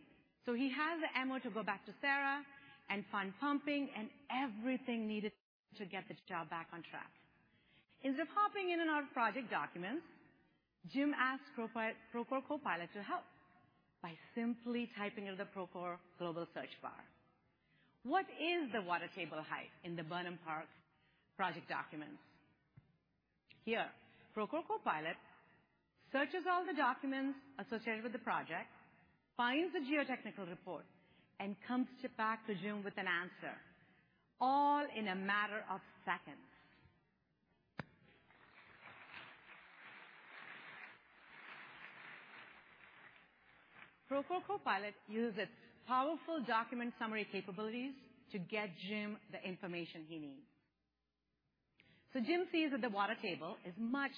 so he has the ammo to go back to Sarah and find pumping and everything needed to get this job back on track. Instead of hopping in on our project documents, Jim asks Procore Copilot to help by simply typing in the Procore global search bar, "What is the water table height in the Burnham Park project documents?" Here, Procore Copilot searches all the documents associated with the project, finds the geotechnical report, and comes back to Jim with an answer, all in a matter of seconds. Procore Copilot uses powerful document summary capabilities to get Jim the information he needs. So Jim sees that the water table is much.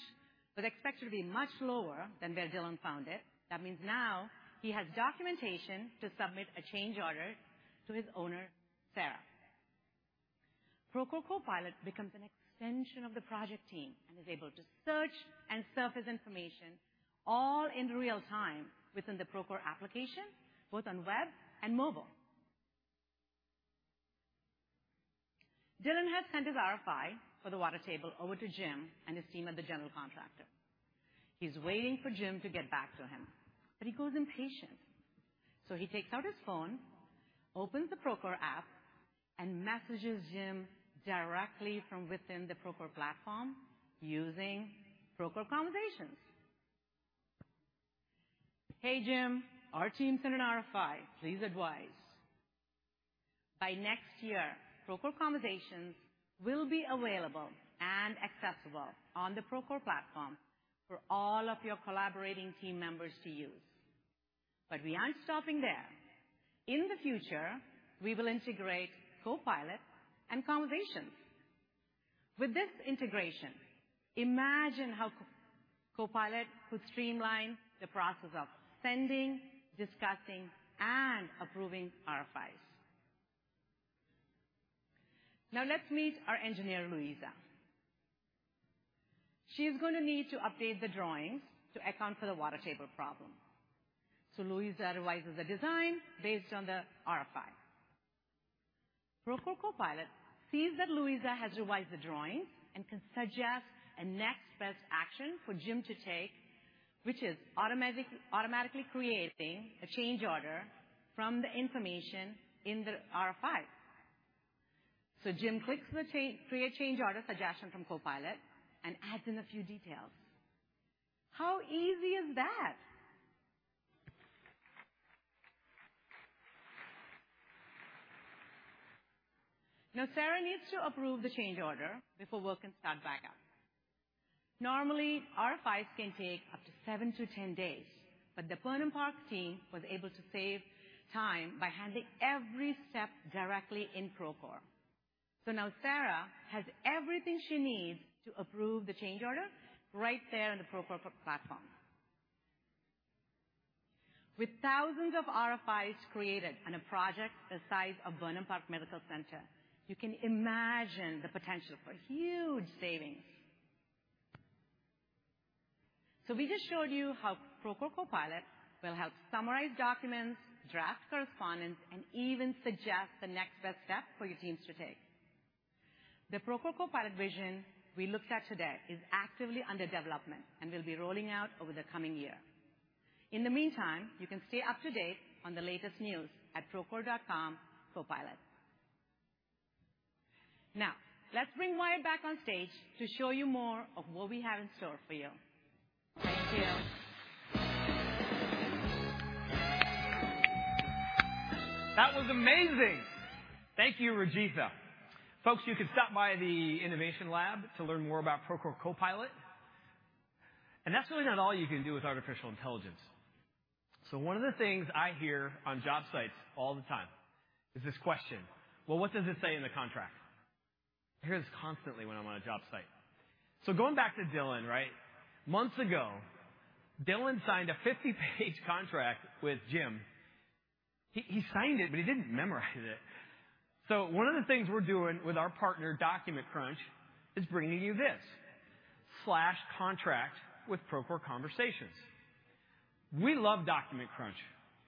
Was expected to be much lower than where Dylan found it. That means now he has documentation to submit a change order to his owner, Sarah. Procore Copilot becomes an extension of the project team and is able to search and surface information all in real time within the Procore application, both on web and mobile. Dylan has sent his RFI for the water table over to Jim and his team at the general contractor. He's waiting for Jim to get back to him, but he grows impatient. He takes out his phone, opens the Procore app, and messages Jim directly from within the Procore platform using Procore Conversations. "Hey, Jim, our team sent an RFI. Please advise." By next year, Procore Conversations will be available and accessible on the Procore platform for all of your collaborating team members to use. We aren't stopping there. In the future, we will integrate Copilot and Conversations. With this integration, imagine how Procore Copilot could streamline the process of sending, discussing, and approving RFIs. Now let's meet our engineer, Louisa. She's going to need to update the drawings to account for the water table problem. So Louisa revises the design based on the RFI. Procore Copilot sees that Louisa has revised the drawings and can suggest a next best action for Jim to take, which is automatic, automatically creating a change order from the information in the RFI. So Jim clicks the Create Change Order suggestion from Copilot and adds in a few details. How easy is that? Now, Sarah needs to approve the change order before work can start back up. Normally, RFIs can take up to 7-10 days, but the Burnham Park team was able to save time by handling every step directly in Procore. So now Sarah has everything she needs to approve the change order right there in the Procore platform. With thousands of RFIs created on a project the size of Burnham Park Medical Center, you can imagine the potential for huge savings. So we just showed you how Procore Copilot will help summarize documents, draft correspondence, and even suggest the next best step for your teams to take. The Procore Copilot vision we looked at today is actively under development and will be rolling out over the coming year. In the meantime, you can stay up to date on the latest news at procore.com/copilot. Now, let's bring Wyatt back on stage to show you more of what we have in store for you. Thank you. That was amazing! Thank you, Rajitha. Folks, you can stop by the innovation lab to learn more about Procore Copilot. That's really not all you can do with artificial intelligence. One of the things I hear on job sites all the time is this question: "Well, what does it say in the contract?" I hear this constantly when I'm on a job site. Going back to Dylan, right? Months ago, Dylan signed a 50-page contract with Jim. He signed it, but he didn't memorize it. One of the things we're doing with our partner, Document Crunch, is bringing you this: Slash Contract with Procore Conversations. We love Document Crunch.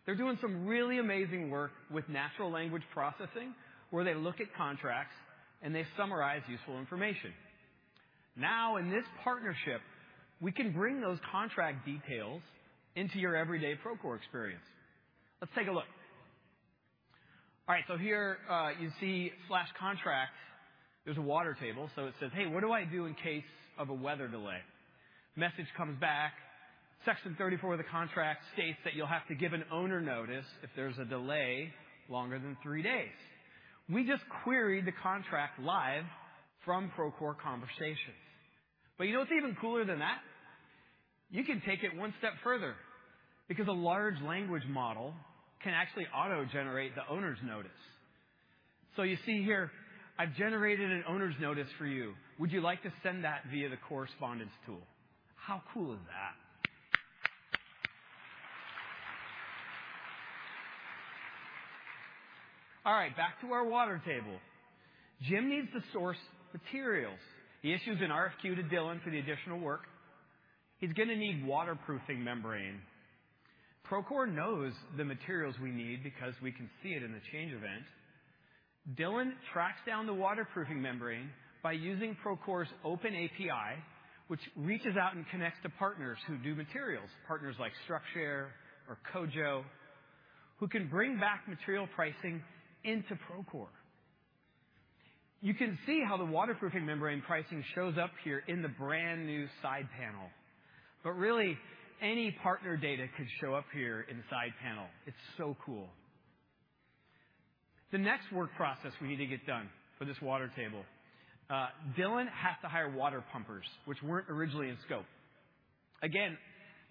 They're doing some really amazing work with natural language processing, where they look at contracts, and they summarize useful information. Now, in this partnership, we can bring those contract details into your everyday Procore experience. Let's take a look. All right, so here, you see slash contract. There's a water table, so it says, "Hey, what do I do in case of a weather delay?" Message comes back, "Section 34 of the contract states that you'll have to give an owner notice if there's a delay longer than three days." We just queried the contract live from Procore Conversations. But you know what's even cooler than that? You can take it one step further because a large language model can actually auto-generate the owner's notice. So you see here, "I've generated an owner's notice for you. Would you like to send that via the correspondence tool?" How cool is that? All right, back to our water table. Jim needs to source materials. He issues an RFQ to Dylan for the additional work. He's going to need waterproofing membrane. Procore knows the materials we need because we can see it in the change event. Dylan tracks down the waterproofing membrane by using Procore's open API, which reaches out and connects to partners who do materials, partners like StructShare or Kojo, who can bring back material pricing into Procore. You can see how the waterproofing membrane pricing shows up here in the brand-new side panel. But really, any partner data could show up here in the side panel. It's so cool. The next work process we need to get done for this water table, Dylan has to hire water pumpers, which weren't originally in scope. Again,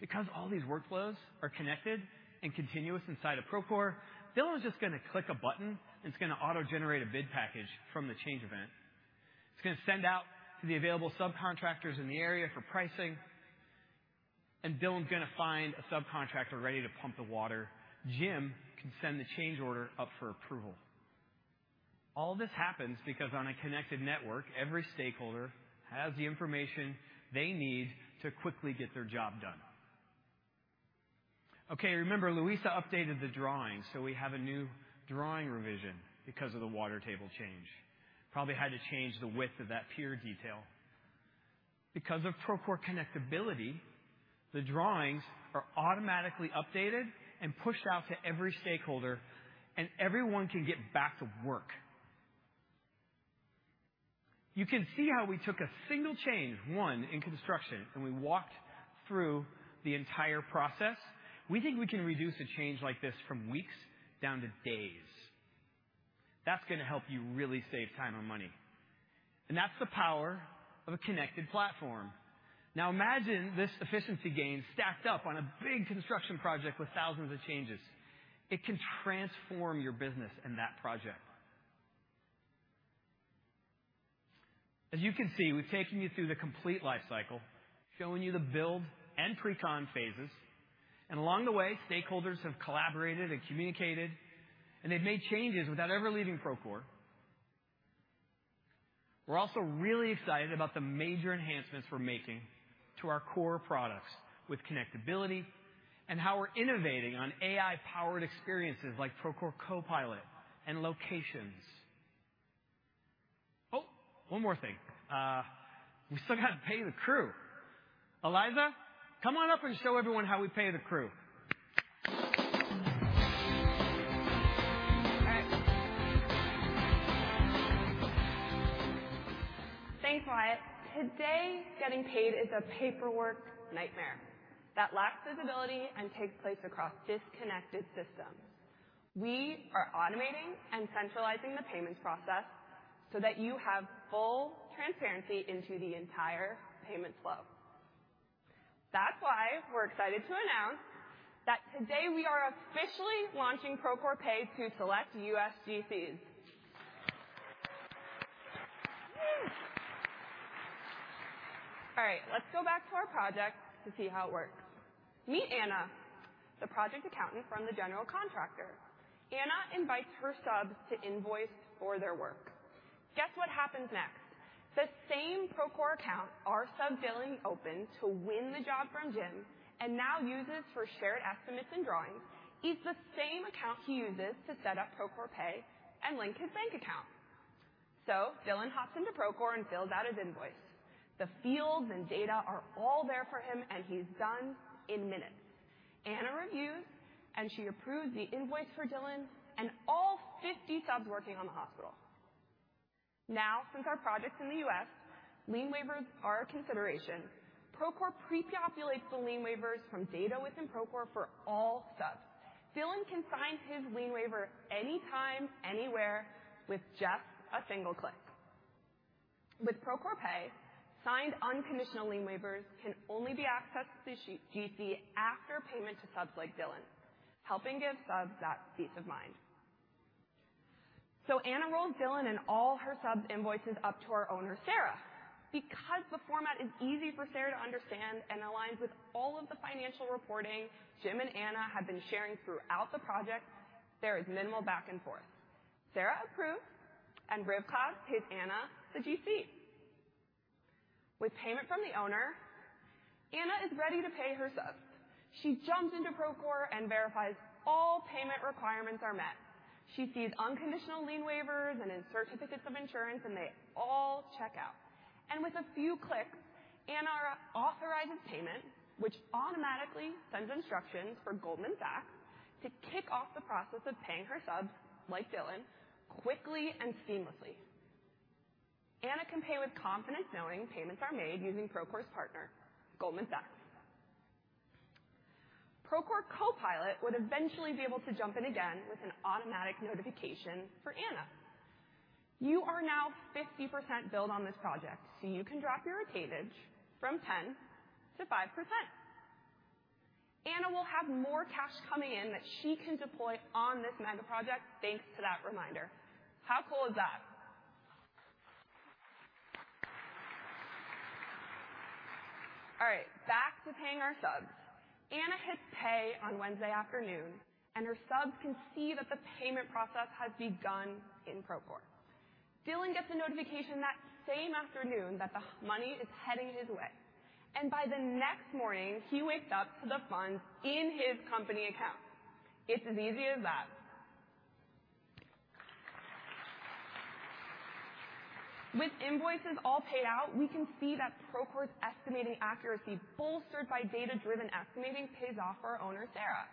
because all these workflows are connected and continuous inside of Procore, Dylan's just going to click a button, and it's going to auto-generate a bid package from the change event. It's going to send out to the available subcontractors in the area for pricing, and Dylan's going to find a subcontractor ready to pump the water. Jim can send the change order up for approval. All this happens because on a connected network, every stakeholder has the information they need to quickly get their job done. Okay, remember, Luisa updated the drawing, so we have a new drawing revision because of the water table change. Probably had to change the width of that pier detail. Because of Procore connectability, the drawings are automatically updated and pushed out to every stakeholder, and everyone can get back to work. You can see how we took a single change, one in construction, and we walked through the entire process. We think we can reduce a change like this from weeks down to days. That's going to help you really save time and money, and that's the power of a connected platform. Now, imagine this efficiency gain stacked up on a big construction project with thousands of changes. It can transform your business and that project. As you can see, we've taken you through the complete life cycle, showing you the build and pre-con phases. Along the way, stakeholders have collaborated and communicated, and they've made changes without ever leaving Procore. We're also really excited about the major enhancements we're making to our core products with connectability and how we're innovating on AI-powered experiences like Procore Copilot and Locations. Oh, one more thing. We still got to pay the crew. Eliza, come on up and show everyone how we pay the crew. All right. Thanks, Wyatt. Today, getting paid is a paperwork nightmare that lacks visibility and takes place across disconnected systems. We are automating and centralizing the payments process so that you have full transparency into the entire payments flow. That's why we're excited to announce that today we are officially launching Procore Pay to select US GCs. All right, let's go back to our project to see how it works. Meet Anna, the project accountant from the general contractor. Anna invites her subs to invoice for their work. Guess what happens next? The same Procore account, our sub billing opened to win the job from Jim and now uses for shared estimates and drawings, is the same account he uses to set up Procore Pay and link his bank account. So Dylan hops into Procore and fills out his invoice. The fields and data are all there for him, and he's done in minutes. Anna reviews, and she approves the invoice for Dylan and all 50 subs working on the hospital. Now, since our project's in the U.S., lien waivers are a consideration. Procore prepopulates the lien waivers from data within Procore for all subs. Dylan can sign his lien waiver anytime, anywhere, with just a single click. With Procore Pay, signed unconditional lien waivers can only be accessed to the GC after payment to subs like Dylan, helping give subs that peace of mind. Anna rolls Dylan and all her subs' invoices up to our owner, Sarah. Because the format is easy for Sarah to understand and aligns with all of the financial reporting Jim and Anna have been sharing throughout the project, there is minimal back and forth. Sarah approves, and Ribcad pays Anna, the GC. With payment from the owner, Anna is ready to pay her subs. She jumps into Procore and verifies all payment requirements are met. She sees unconditional lien waivers and then certificates of insurance, and they all check out. With a few clicks, Anna authorizes payment, which automatically sends instructions for Goldman Sachs to kick off the process of paying her subs, like Dylan, quickly and seamlessly. Anna can pay with confidence, knowing payments are made using Procore's partner, Goldman Sachs. Procore Copilot would eventually be able to jump in again with an automatic notification for Anna. "You are now 50% billed on this project, so you can drop your retainage from 10% to 5%." Anna will have more cash coming in that she can deploy on this mega project, thanks to that reminder. How cool is that? All right, back to paying our subs. Anna hits pay on Wednesday afternoon, and her subs can see that the payment process has begun in Procore. Dylan gets a notification that same afternoon that the money is heading his way, and by the next morning, he wakes up to the funds in his company account. It's as easy as that. With invoices all paid out, we can see that Procore's estimating accuracy, bolstered by data-driven estimating, pays off for our owner, Sarah.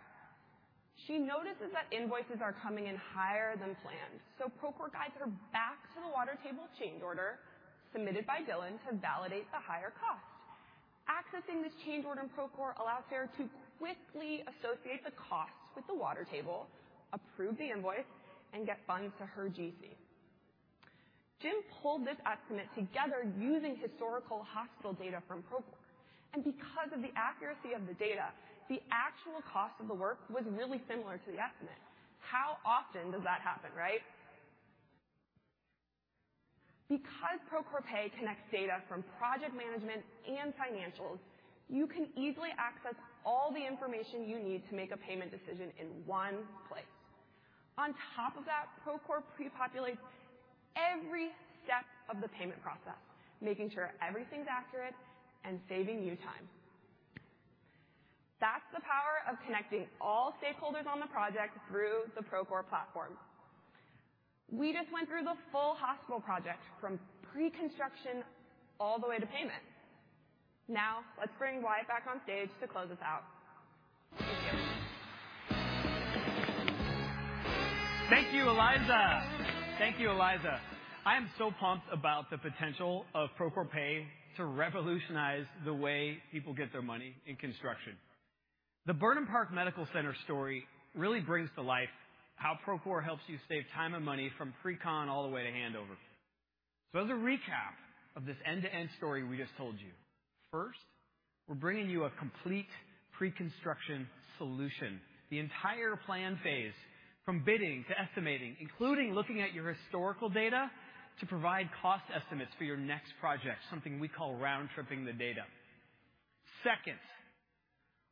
She notices that invoices are coming in higher than planned, so Procore guides her back to the water table change order, submitted by Dylan, to validate the higher cost. Accessing this change order in Procore allows her to quickly associate the costs with the water table, approve the invoice, and get funds to her GC. Jim pulled this estimate together using historical hospital data from Procore, and because of the accuracy of the data, the actual cost of the work was really similar to the estimate. How often does that happen, right?... Because Procore Pay connects data from project management and financials, you can easily access all the information you need to make a payment decision in one place. On top of that, Procore prepopulates every step of the payment process, making sure everything's accurate and saving you time. That's the power of connecting all stakeholders on the project through the Procore platform. We just went through the full hospital project, from pre-construction all the way to payment. Now, let's bring Wyatt back on stage to close us out. Thank you. Thank you, Eliza. Thank you, Eliza. I am so pumped about the potential of Procore Pay to revolutionize the way people get their money in construction. The Burnham Park Medical Center story really brings to life how Procore helps you save time and money from pre-con all the way to handover. So as a recap of this end-to-end story we just told you, first, we're bringing you a complete pre-construction solution. The entire plan phase, from bidding to estimating, including looking at your historical data to provide cost estimates for your next project, something we call round-tripping the data. Second,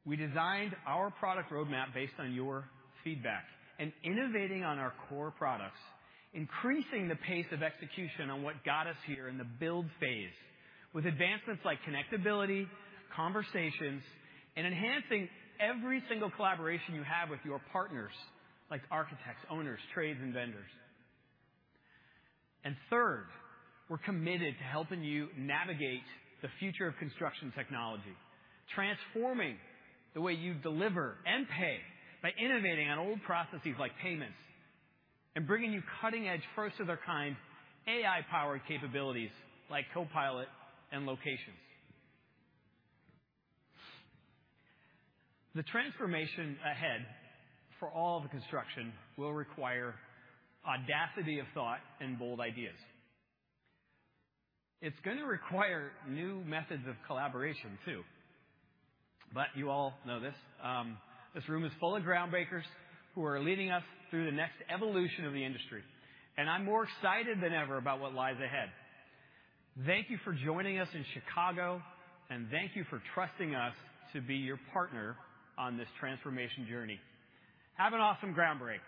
we designed our product roadmap based on your feedback and innovating on our core products, increasing the pace of execution on what got us here in the build phase, with advancements like connectability, conversations, and enhancing every single collaboration you have with your partners, like architects, owners, trades, and vendors. And third, we're committed to helping you navigate the future of construction technology, transforming the way you deliver and pay by innovating on old processes like payments and bringing you cutting-edge, first-of-their-kind, AI-powered capabilities like Copilot and Locations. The transformation ahead for all of the construction will require audacity of thought and bold ideas. It's gonna require new methods of collaboration, too. But you all know this. This room is full of ground breakers who are leading us through the next evolution of the industry, and I'm more excited than ever about what lies ahead. Thank you for joining us in Chicago, and thank you for trusting us to be your partner on this transformation journey. Have an awesome Groundbreak!